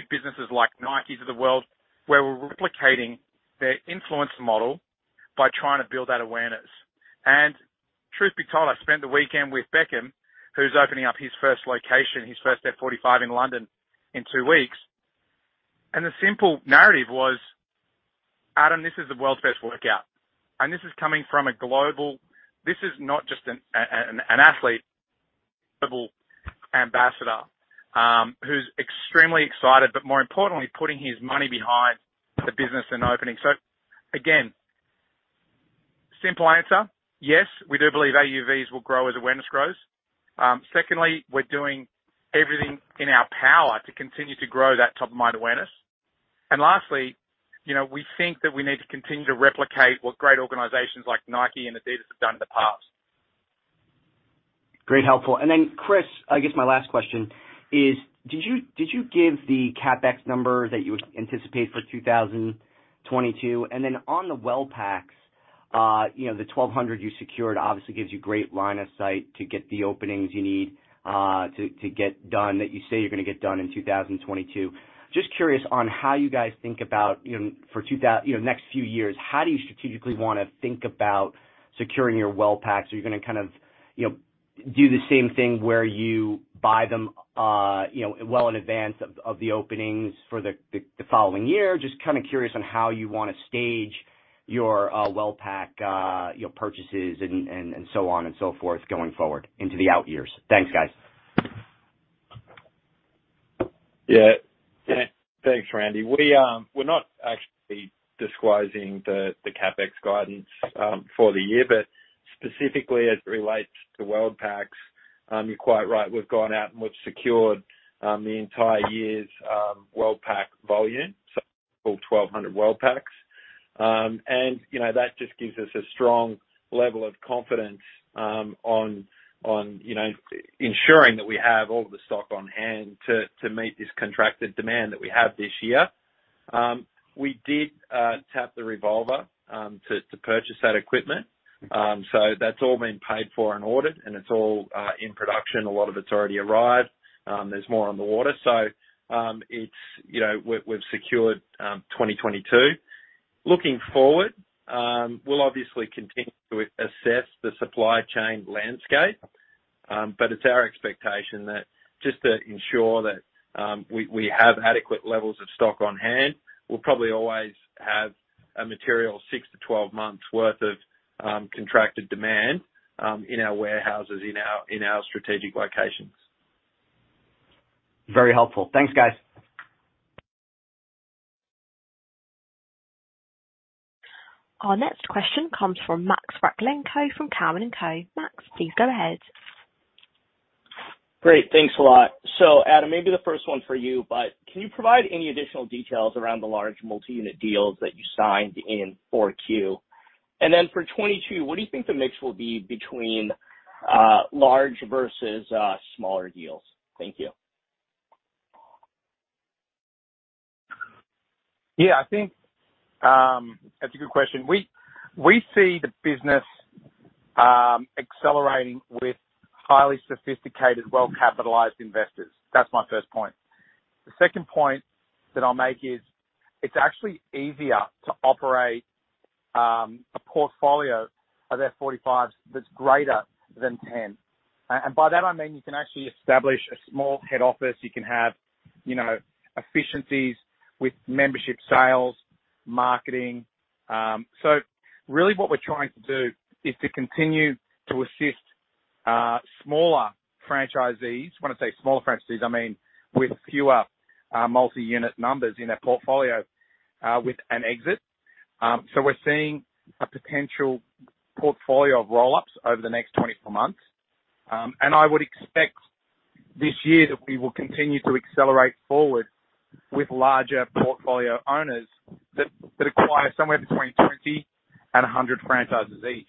businesses like Nike's of the world, where we're replicating their influence model by trying to build that awareness. Truth be told, I spent the weekend with Beckham, who's opening up his first location, his first F45 in London in two weeks. The simple narrative was, "Adam, this is the world's best workout." This is coming from a global athlete, global ambassador who's extremely excited, but more importantly, putting his money behind the business and opening. Again, simple answer, yes, we do believe AUVs will grow as awareness grows. Secondly, we're doing everything in our power to continue to grow that top-of-mind awareness. Lastly, you know, we think that we need to continue to replicate what great organizations like Nike and Adidas have done in the past. Great, helpful. Chris, I guess my last question is, did you give the CapEx number that you anticipate for 2022? On the World Packs, you know, the 1,200 you secured obviously gives you great line of sight to get the openings you need to get done, that you say you're gonna get done in 2022. Just curious on how you guys think about, you know, next few years, how do you strategically wanna think about securing your World Packs? Are you gonna kind of, you know, do the same thing where you buy them, you know, well in advance of the openings for the following year? Just kinda curious on how you wanna stage your World Pack, you know, purchases and so on and so forth going forward into the out years. Thanks, guys. Yeah. Thanks, Randy. We're not actually disclosing the CapEx guidance for the year, but specifically as it relates to World Packs, you're quite right. We've gone out and we've secured the entire year's World Pack volume, so 1,200 World Packs. You know, that just gives us a strong level of confidence on ensuring that we have all of the stock on hand to meet this contracted demand that we have this year. We did tap the revolver to purchase that equipment. That's all been paid for and ordered, and it's all in production. A lot of it's already arrived. There's more on the water. It's you know, we've secured 2022. Looking forward, we'll obviously continue to assess the supply chain landscape. It's our expectation that, just to ensure that we have adequate levels of stock on hand, we'll probably always have a material 6-12 months' worth of contracted demand in our warehouses in our strategic locations. Very helpful. Thanks, guys. Our next question comes from Max Rakhlenko from Cowen and Company. Max, please go ahead. Great. Thanks a lot. Adam, maybe the first one's for you, but can you provide any additional details around the large multi-unit deals that you signed in Q4? And then for 2022, what do you think the mix will be between large versus smaller deals? Thank you. Yeah, I think that's a good question. We see the business accelerating with highly sophisticated, well-capitalized investors. That's my first point. The second point that I'll make is it's actually easier to operate a portfolio of F45s that's greater than 10. And by that I mean you can actually establish a small head office. You can have, you know, efficiencies with membership sales, marketing. So really what we're trying to do is to continue to assist smaller franchisees. When I say smaller franchisees, I mean with fewer multi-unit numbers in their portfolio with an exit. So we're seeing a potential portfolio of roll-ups over the next 24 months. And I would expect this year that we will continue to accelerate forward with larger portfolio owners that acquire somewhere between 20 and 100 franchises each.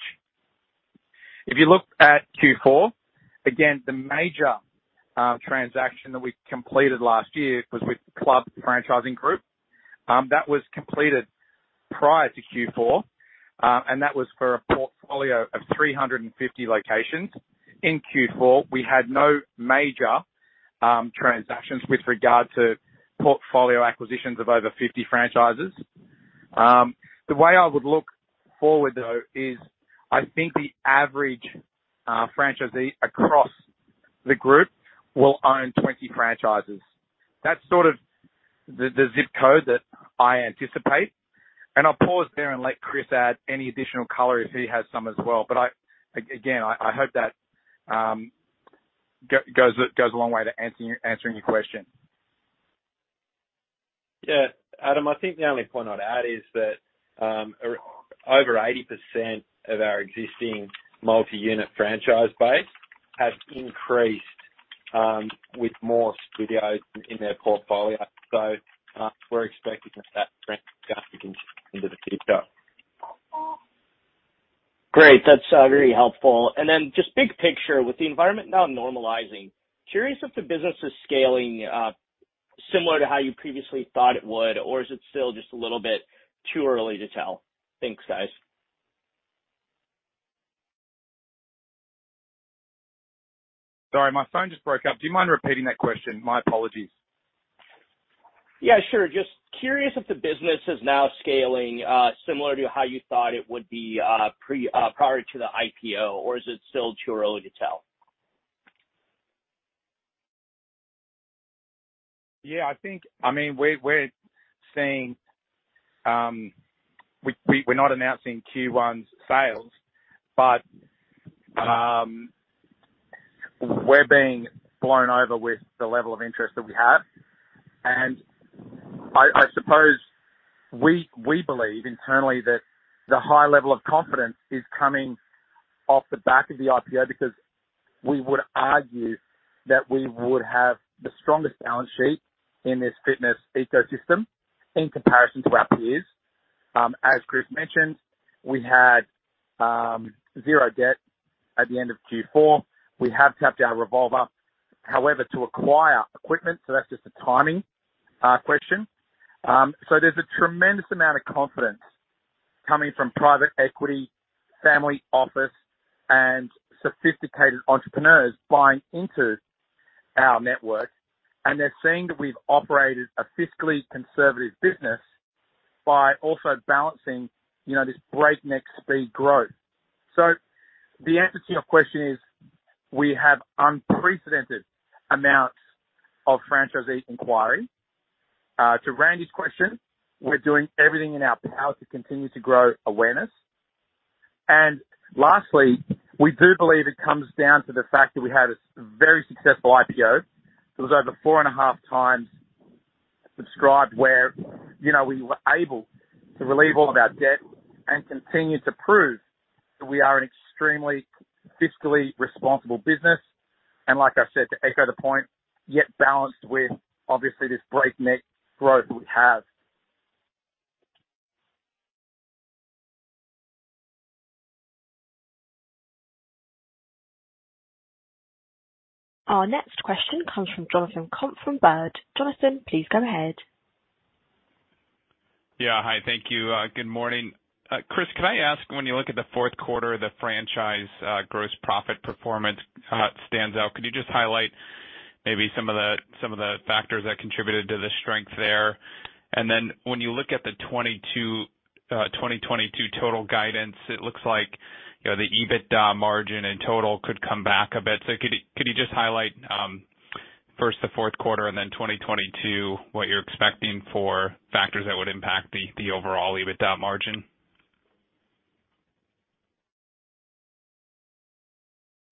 If you look at Q4, again, the major transaction that we completed last year was with Club Franchise Group. That was completed prior to Q4. That was for a portfolio of 350 locations. In Q4, we had no major transactions with regard to portfolio acquisitions of over 50 franchises. The way I would look forward though is I think the average franchisee across the group will own 20 franchises. That's sort of the zip code that I anticipate. I'll pause there and let Chris add any additional color if he has some as well. I again hope that goes a long way to answering your question. Yeah. Adam, I think the only point I'd add is that over 80% of our existing multi-unit franchise base has increased with more studios in their portfolio. We're expecting that trend to continue into the future. Great. That's really helpful. Just big picture: with the environment now normalizing, curious if the business is scaling, similar to how you previously thought it would, or is it still just a little bit too early to tell? Thanks, guys. Sorry, my phone just broke up. Do you mind repeating that question? My apologies. Yeah, sure. Just curious if the business is now scaling, similar to how you thought it would be, prior to the IPO, or is it still too early to tell? Yeah, I think, I mean, we're not announcing Q1's sales, but we're being blown away with the level of interest that we have. I suppose we believe internally that the high level of confidence is coming off the back of the IPO because we would argue that we would have the strongest balance sheet in this fitness ecosystem in comparison to our peers. As Chris mentioned, we had zero debt at the end of Q4. We have tapped our revolver, however, to acquire equipment. That's just a timing question. There's a tremendous amount of confidence coming from private equity, family office, and sophisticated entrepreneurs buying into our network. They're seeing that we've operated a fiscally conservative business by also balancing, you know, this breakneck speed growth. The answer to your question is we have unprecedented amounts of franchisee inquiry. To Randy's question, we're doing everything in our power to continue to grow awareness. Lastly, we do believe it comes down to the fact that we had a very successful IPO. It was over 4.5 times subscribed where, you know, we were able to relieve all of our debt and continue to prove that we are an extremely fiscally responsible business. Like I said, to echo the point, yet balanced with obviously this breakneck growth that we have. Our next question comes from Jonathan Komp from Baird. Jonathan, please go ahead. Yeah. Hi. Thank you. Good morning. Chris, can I ask, when you look at the fourth quarter, the franchise gross profit performance stands out. Could you just highlight, maybe some of the factors that contributed to the strength there. Then when you look at the 2022 total guidance, it looks like, you know, the EBITDA margin in total could come back a bit. Could you just highlight first, the fourth quarter and then 2022 what you're expecting for factors that would impact the overall EBITDA margin?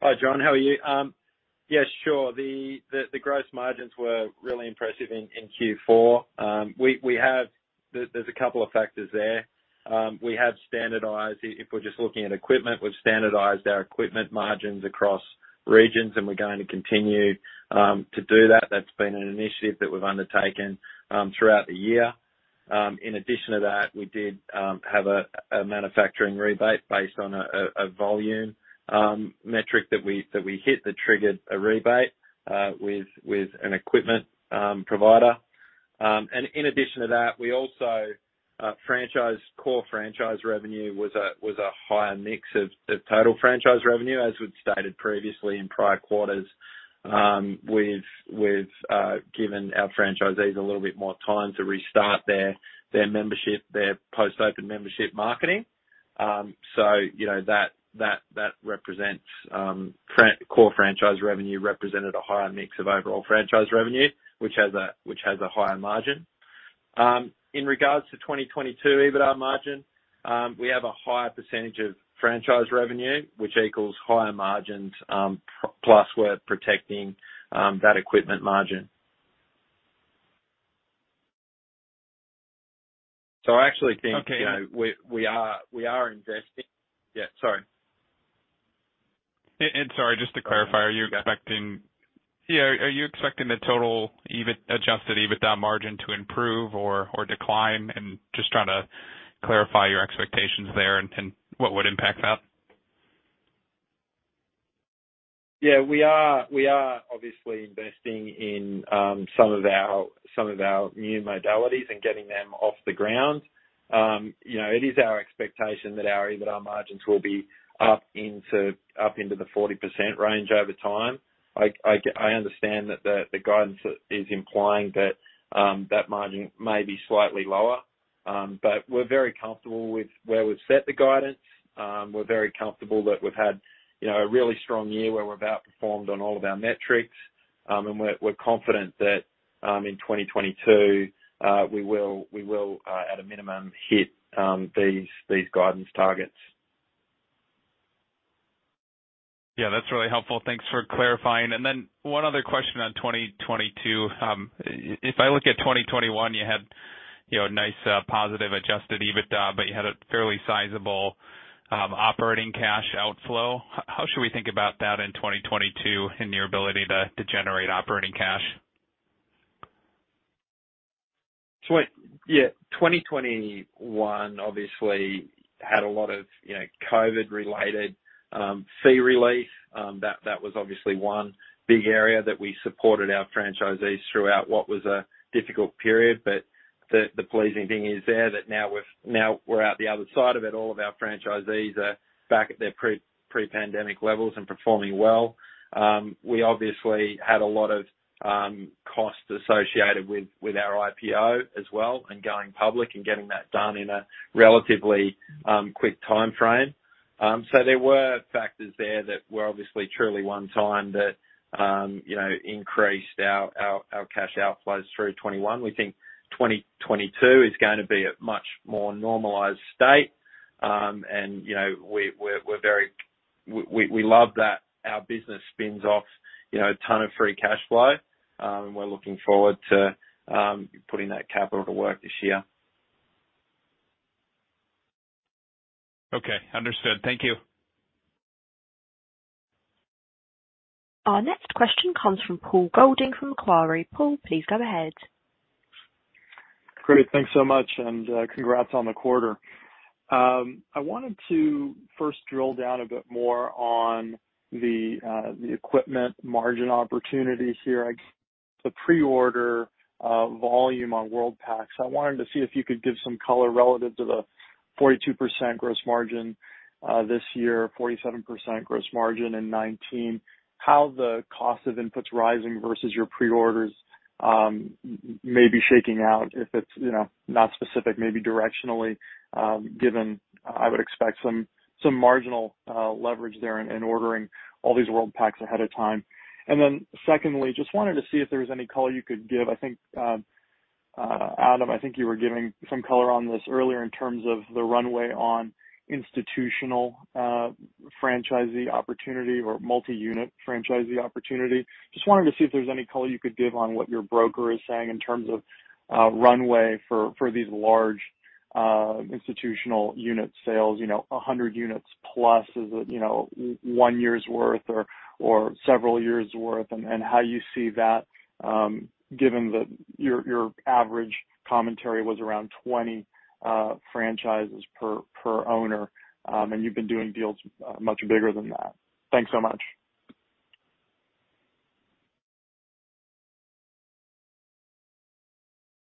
Hi, John. How are you? Yes, sure. The gross margins were really impressive in Q4. There's a couple of factors there. We have standardized. If we're just looking at equipment, we've standardized our equipment margins across regions, and we're going to continue to do that. That's been an initiative that we've undertaken throughout the year. In addition to that, we did have a manufacturing rebate based on a volume metric that we hit that triggered a rebate with an equipment provider. In addition to that, core franchise revenue was a higher mix of total franchise revenue. As we've stated previously in prior quarters, we've given our franchisees a little bit more time to restart their membership, their post-open membership marketing. You know, that represents core franchise revenue represented a higher mix of overall franchise revenue, which has a higher margin. In regards to 2022 EBITDA margin, we have a higher percentage of franchise revenue, which equals higher margins, plus we're protecting that equipment margin. I actually think, you know, we are investing. Yeah, sorry. Sorry, just to clarify, are you expecting the total adjusted EBITDA margin to improve or decline? I'm just trying to clarify your expectations there and what would impact that. Yeah, we are obviously investing in some of our new modalities and getting them off the ground. You know, it is our expectation that our EBITDA margins will be up into the 40% range over time. I understand that the guidance is implying that that margin may be slightly lower. But we're very comfortable with where we've set the guidance. We're very comfortable that we've had you know, a really strong year where we've outperformed on all of our metrics. We're confident that in 2022, we will at a minimum hit these guidance targets. Yeah, that's really helpful. Thanks for clarifying. One other question on 2022. If I look at 2021, you had nice positive Adjusted EBITDA, but you had a fairly sizable operating cash outflow. How should we think about that in 2022 in your ability to generate operating cash? Yeah, 2021 obviously had a lot of, you know, COVID-19-related fee relief. That was obviously one big area that we supported our franchisees throughout what was a difficult period. The pleasing thing is there that now we're out the other side of it, all of our franchisees are back at their pre-pandemic levels and performing well. We obviously had a lot of costs associated with our IPO as well and going public and getting that done in a relatively quick timeframe. There were factors there that were obviously truly one-time that, you know, increased our cash outflows through 2021. We think 2022 is gonna be a much more normalized state. You know, we love that our business spins off, you know, a ton of free cash flow, and we're looking forward to putting that capital to work this year. Okay. Understood. Thank you. Our next question comes from Paul Golding, from Macquarie. Paul, please go ahead. Great. Thanks so much, and, congrats on the quarter. I wanted to first drill down a bit more on the equipment margin opportunity here. The pre-order volume on World Pack. I wanted to see if you could give some color relative to the 42% gross margin this year, 47% gross margin in 2019, how the cost of inputs rising versus your pre-orders may be shaking out, if it's, you know, not specific, maybe directionally, given I would expect some marginal leverage there in ordering all these World Pack ahead of time. Then secondly, just wanted to see if there was any color you could give. I think, Adam, I think you were giving some color on this earlier in terms of the runway on institutional franchisee opportunity or multi-unit franchisee opportunity. Just wanted to see if there's any color you could give on what your broker is saying in terms of runway for these large institutional unit sales. You know, 100 units plus is, you know, one year's worth or several years' worth, and how you see that given that your average commentary was around 20 franchises per owner. You've been doing deals much bigger than that. Thanks so much.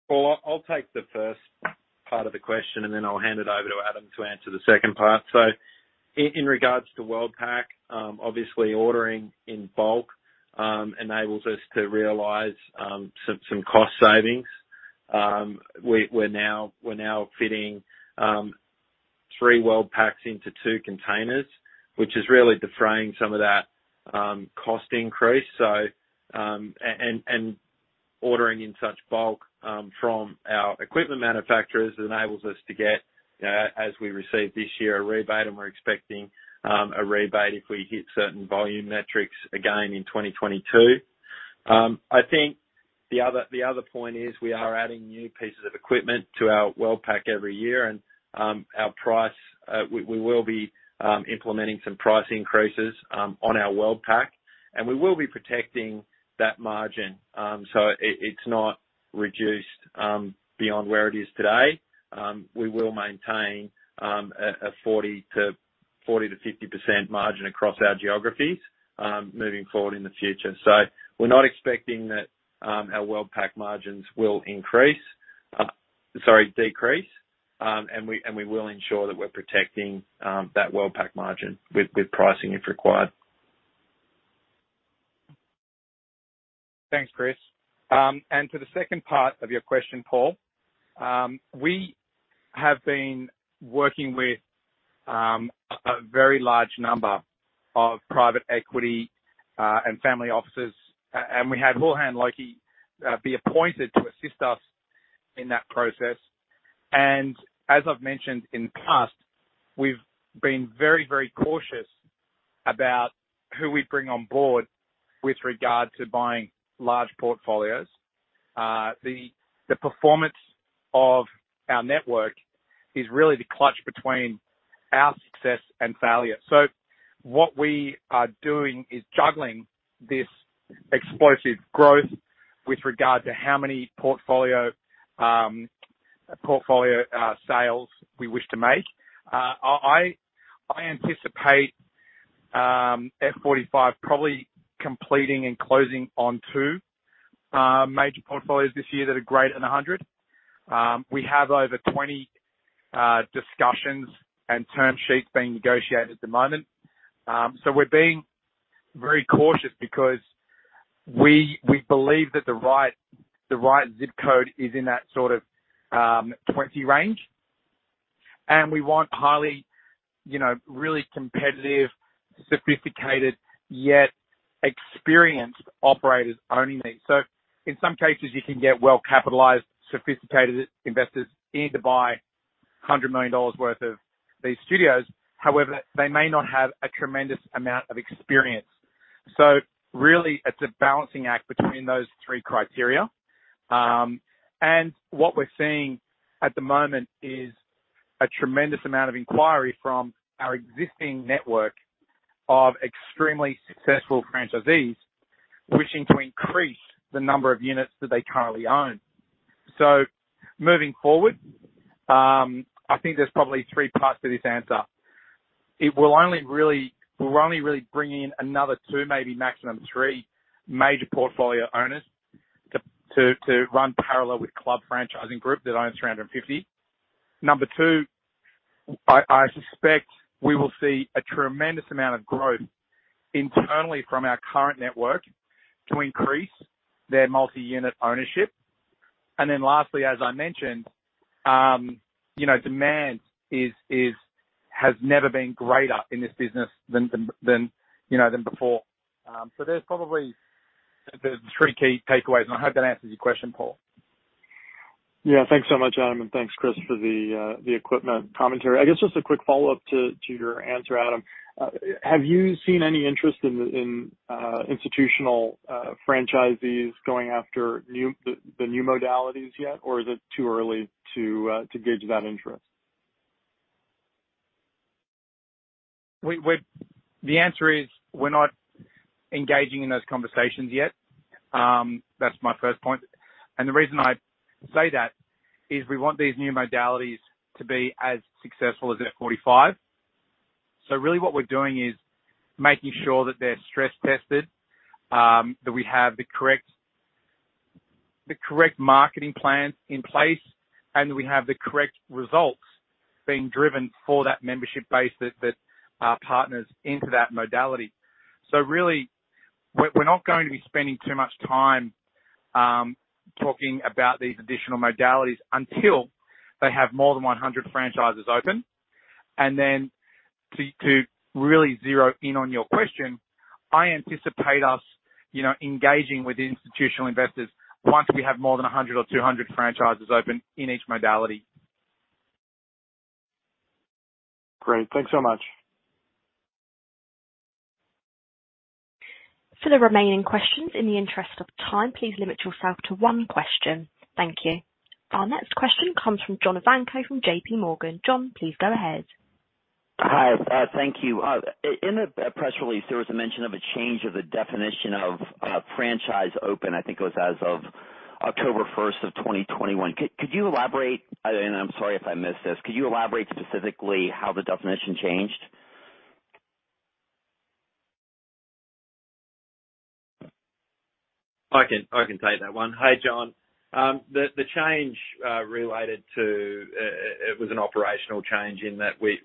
Paul, I'll take the first part of the question, and then I'll hand it over to Adam to answer the second part. In regards to World Pack, obviously ordering in bulk enables us to realize some cost savings. We're now fitting three World Packs into two containers, which is really defraying some of that cost increase. Ordering in such bulk from our equipment manufacturers enables us to get, as we received this year, a rebate, and we're expecting a rebate if we hit certain volume metrics again in 2022. I think the other point is we are adding new pieces of equipment to our World Pack every year, and we will be implementing some price increases on our World Pack. We will be protecting that margin, so it's not reduced beyond where it is today. We will maintain a 40%-50% margin across our geographies moving forward in the future. We're not expecting that our World Pack margins will decrease, and we will ensure that we're protecting that World Pack margin with pricing if required. Thanks, Chris. For the second part of your question, Paul, we have been working with a very large number of private equity and family offices, and we had Houlihan Lokey be appointed to assist us in that process. As I've mentioned in the past, we've been very, very cautious about who we bring on board with regard to buying large portfolios. The performance of our network is really the clutch between our success and failure. What we are doing is juggling this explosive growth with regard to how many portfolio sales we wish to make. I anticipate F45 probably completing and closing on two major portfolios this year that are greater than 100. We have over 20 discussions and term sheets being negotiated at the moment. We're being very cautious because we believe that the right zip code is in that sort of 20 range. We want highly, you know, really competitive, sophisticated, yet experienced operators owning these. In some cases, you can get well-capitalized, sophisticated investors in to buy $100 million worth of these studios. However, they may not have a tremendous amount of experience. Really it's a balancing act between those three criteria. What we're seeing at the moment is a tremendous amount of inquiry from our existing network of extremely successful franchisees wishing to increase the number of units that they currently own. Moving forward, I think there's probably three parts to this answer. We only really bring in another two, maybe maximum three major portfolio owners to run parallel with Club Franchise Group that owns 350. Number two, I suspect we will see a tremendous amount of growth internally from our current network to increase their multi-unit ownership. Then lastly, as I mentioned, you know, demand is has never been greater in this business than you know than before. So there's probably the three key takeaways, and I hope that answers your question, Paul. Yeah. Thanks so much, Adam, and thanks Chris for the equipment commentary. I guess just a quick follow-up to your answer, Adam. Have you seen any interest in institutional franchisees going after the new modalities yet, or is it too early to gauge that interest? The answer is we're not engaging in those conversations yet. That's my first point. The reason I say that is we want these new modalities to be as successful as F45. Really what we're doing is making sure that they're stress tested, that we have the correct marketing plan in place, and that we have the correct results being driven for that membership base that are partners into that modality. Really, we're not going to be spending too much time talking about these additional modalities until they have more than 100 franchises open. Then to really zero in on your question, I anticipate us, you know, engaging with institutional investors once we have more than 100 or 200 franchises open in each modality. Great. Thanks so much. For the remaining questions, in the interest of time, please limit yourself to one question. Thank you. Our next question comes from John Ivankoe from JPMorgan. John, please go ahead. Hi. Thank you. In the press release, there was a mention of a change of the definition of a franchise open, I think it was as of October 1, 2021. Could you elaborate? I'm sorry if I missed this. Could you elaborate specifically how the definition changed? I can take that one. Hi, John. The change related to, it was an operational change in that we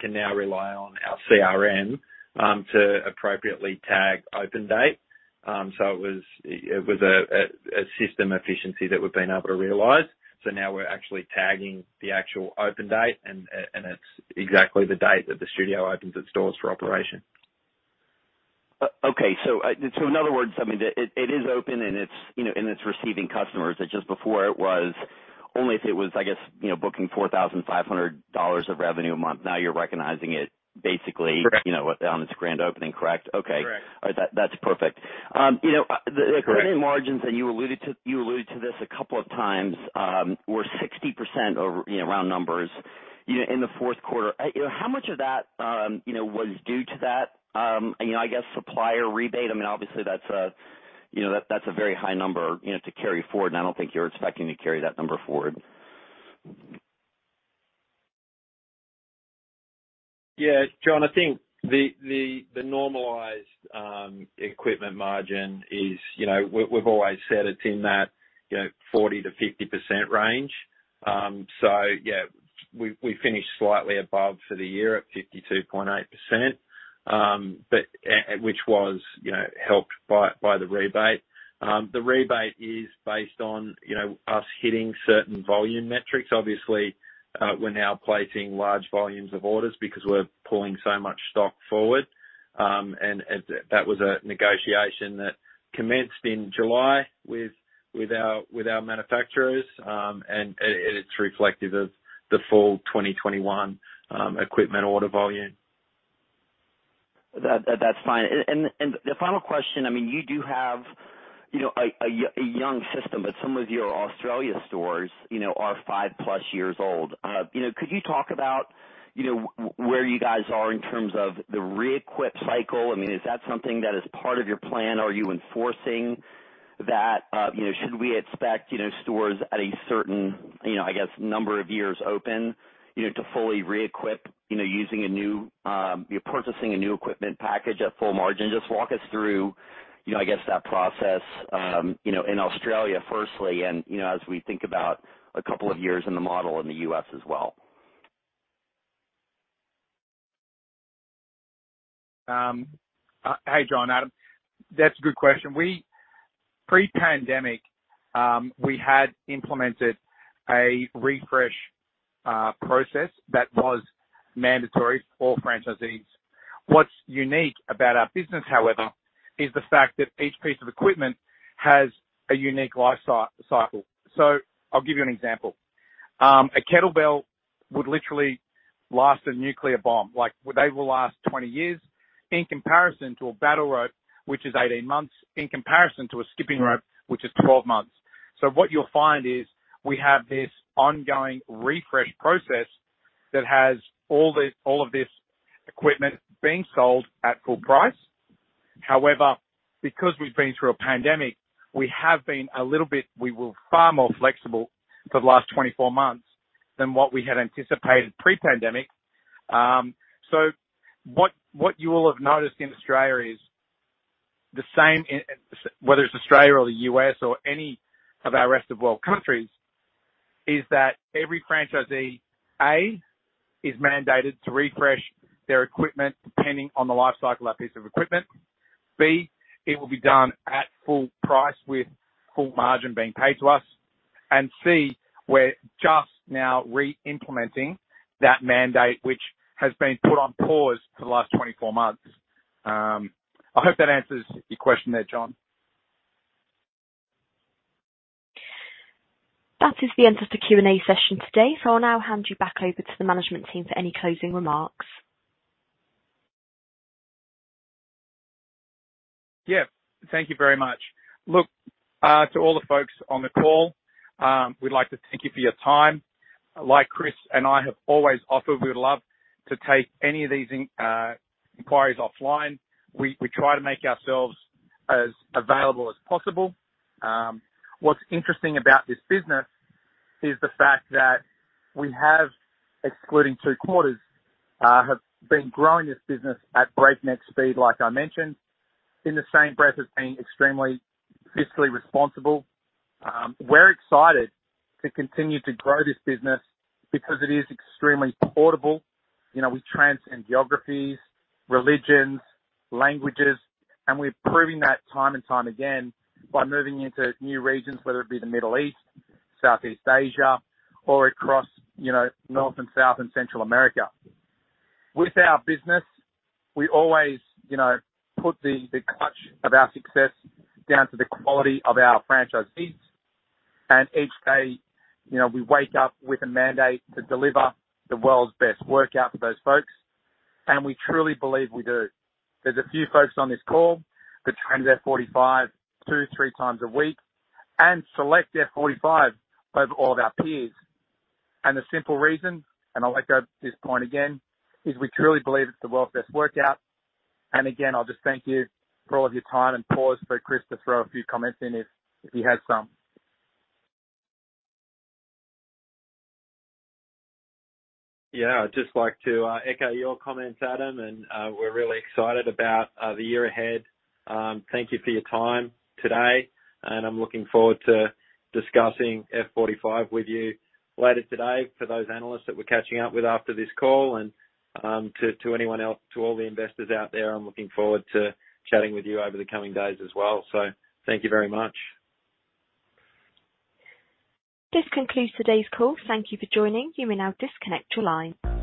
can now rely on our CRM to appropriately tag open date. So it was a system efficiency that we've been able to realize. Now we're actually tagging the actual open date and it's exactly the date that the studio opens its doors for operation. Okay. In other words, I mean, it is open and it's, you know, and it's receiving customers. That just before it was only if it was, I guess, you know, booking $4,500 of revenue a month. Now you're recognizing it basically. Correct. You know, on its grand opening, correct? Okay. Correct. All right. That's perfect. You know- Correct. -equipment margins, and you alluded to this a couple of times, were 60% over, you know, round numbers, you know, in the fourth quarter. How much of that, you know, was due to that, you know, I guess supplier rebate? I mean, obviously that's, you know, that's a very high number, you know, to carry forward, and I don't think you're expecting to carry that number forward. Yeah, John, I think the normalized equipment margin is, you know, we've always said it's in that, you know, 40%-50% range. Yeah, we finished slightly above for the year at 52.8%. But which was, you know, helped by the rebate. The rebate is based on, you know, us hitting certain volume metrics. Obviously, we're now placing large volumes of orders because we're pulling so much stock forward. That was a negotiation that commenced in July with our manufacturers. It's reflective of the full 2021 equipment order volume. That's fine. The final question, I mean, you do have, you know, a young system, but some of your Australian stores, you know, are 5+ years old. You know, could you talk about, you know, where you guys are in terms of the re-equip cycle? I mean, is that something that is part of your plan, or are you enforcing that? You know, should we expect, you know, stores at a certain, you know, I guess, number of years open, you know, to fully re-equip, you know, using a new, you're purchasing a new equipment package at full margin? Just walk us through, you know, I guess that process, you know, in Australia firstly and, you know, as we think about a couple of years in the model in the U.S. as well. Hey, John. Adam. That's a good question. Pre-pandemic, we had implemented a refresh process that was mandatory for franchisees. What's unique about our business, however, is the fact that each piece of equipment has a unique life cycle. So I'll give you an example. A kettlebell would literally last a nuclear bomb. Like, they will last 20 years in comparison to a battle rope, which is 18 months, in comparison to a skipping rope, which is 12 months. So what you'll find is we have this ongoing refresh process that has all this, all of this equipment being sold at full price. However, because we've been through a pandemic, we were far more flexible for the last 24 months than what we had anticipated pre-pandemic. What you will have noticed in Australia is the same whether it's Australia or the U.S. or any of our rest of world countries, is that every franchisee, A, is mandated to refresh their equipment depending on the life cycle of a piece of equipment. B, it will be done at full price with full margin being paid to us. And C, we're just now re-implementing that mandate, which has been put on pause for the last 24 months. I hope that answers your question there, John. That is the end of the Q&A session today. I'll now hand you back over to the management team for any closing remarks. Yeah. Thank you very much. Look, to all the folks on the call, we'd like to thank you for your time. Like Chris and I have always offered, we would love to take any of these inquiries offline. We try to make ourselves as available as possible. What's interesting about this business is the fact that we have, excluding two quarters, have been growing this business at breakneck speed, like I mentioned, in the same breath as being extremely fiscally responsible. We're excited to continue to grow this business because it is extremely portable. You know, we transcend geographies, religions, languages, and we're proving that time and time again by moving into new regions, whether it be the Middle East, Southeast Asia, or across, you know, North and South and Central America. With our business, we always, you know, put the clutch of our success down to the quality of our franchisees. Each day, you know, we wake up with a mandate to deliver the world's best workout for those folks, and we truly believe we do. There's a few folks on this call that train at F45 two to three times a week and select F45 over all of our peers. The simple reason, and I'll echo this point again, is we truly believe it's the world's best workout. Again, I'll just thank you for all of your time and pause for Chris to throw a few comments in if he has some. Yeah. I'd just like to echo your comments, Adam, and we're really excited about the year ahead. Thank you for your time today, and I'm looking forward to discussing F45 with you later today for those analysts that we're catching up with after this call. To anyone else, to all the investors out there, I'm looking forward to chatting with you over the coming days as well. Thank you very much. This concludes today's call. Thank you for joining. You may now disconnect your line.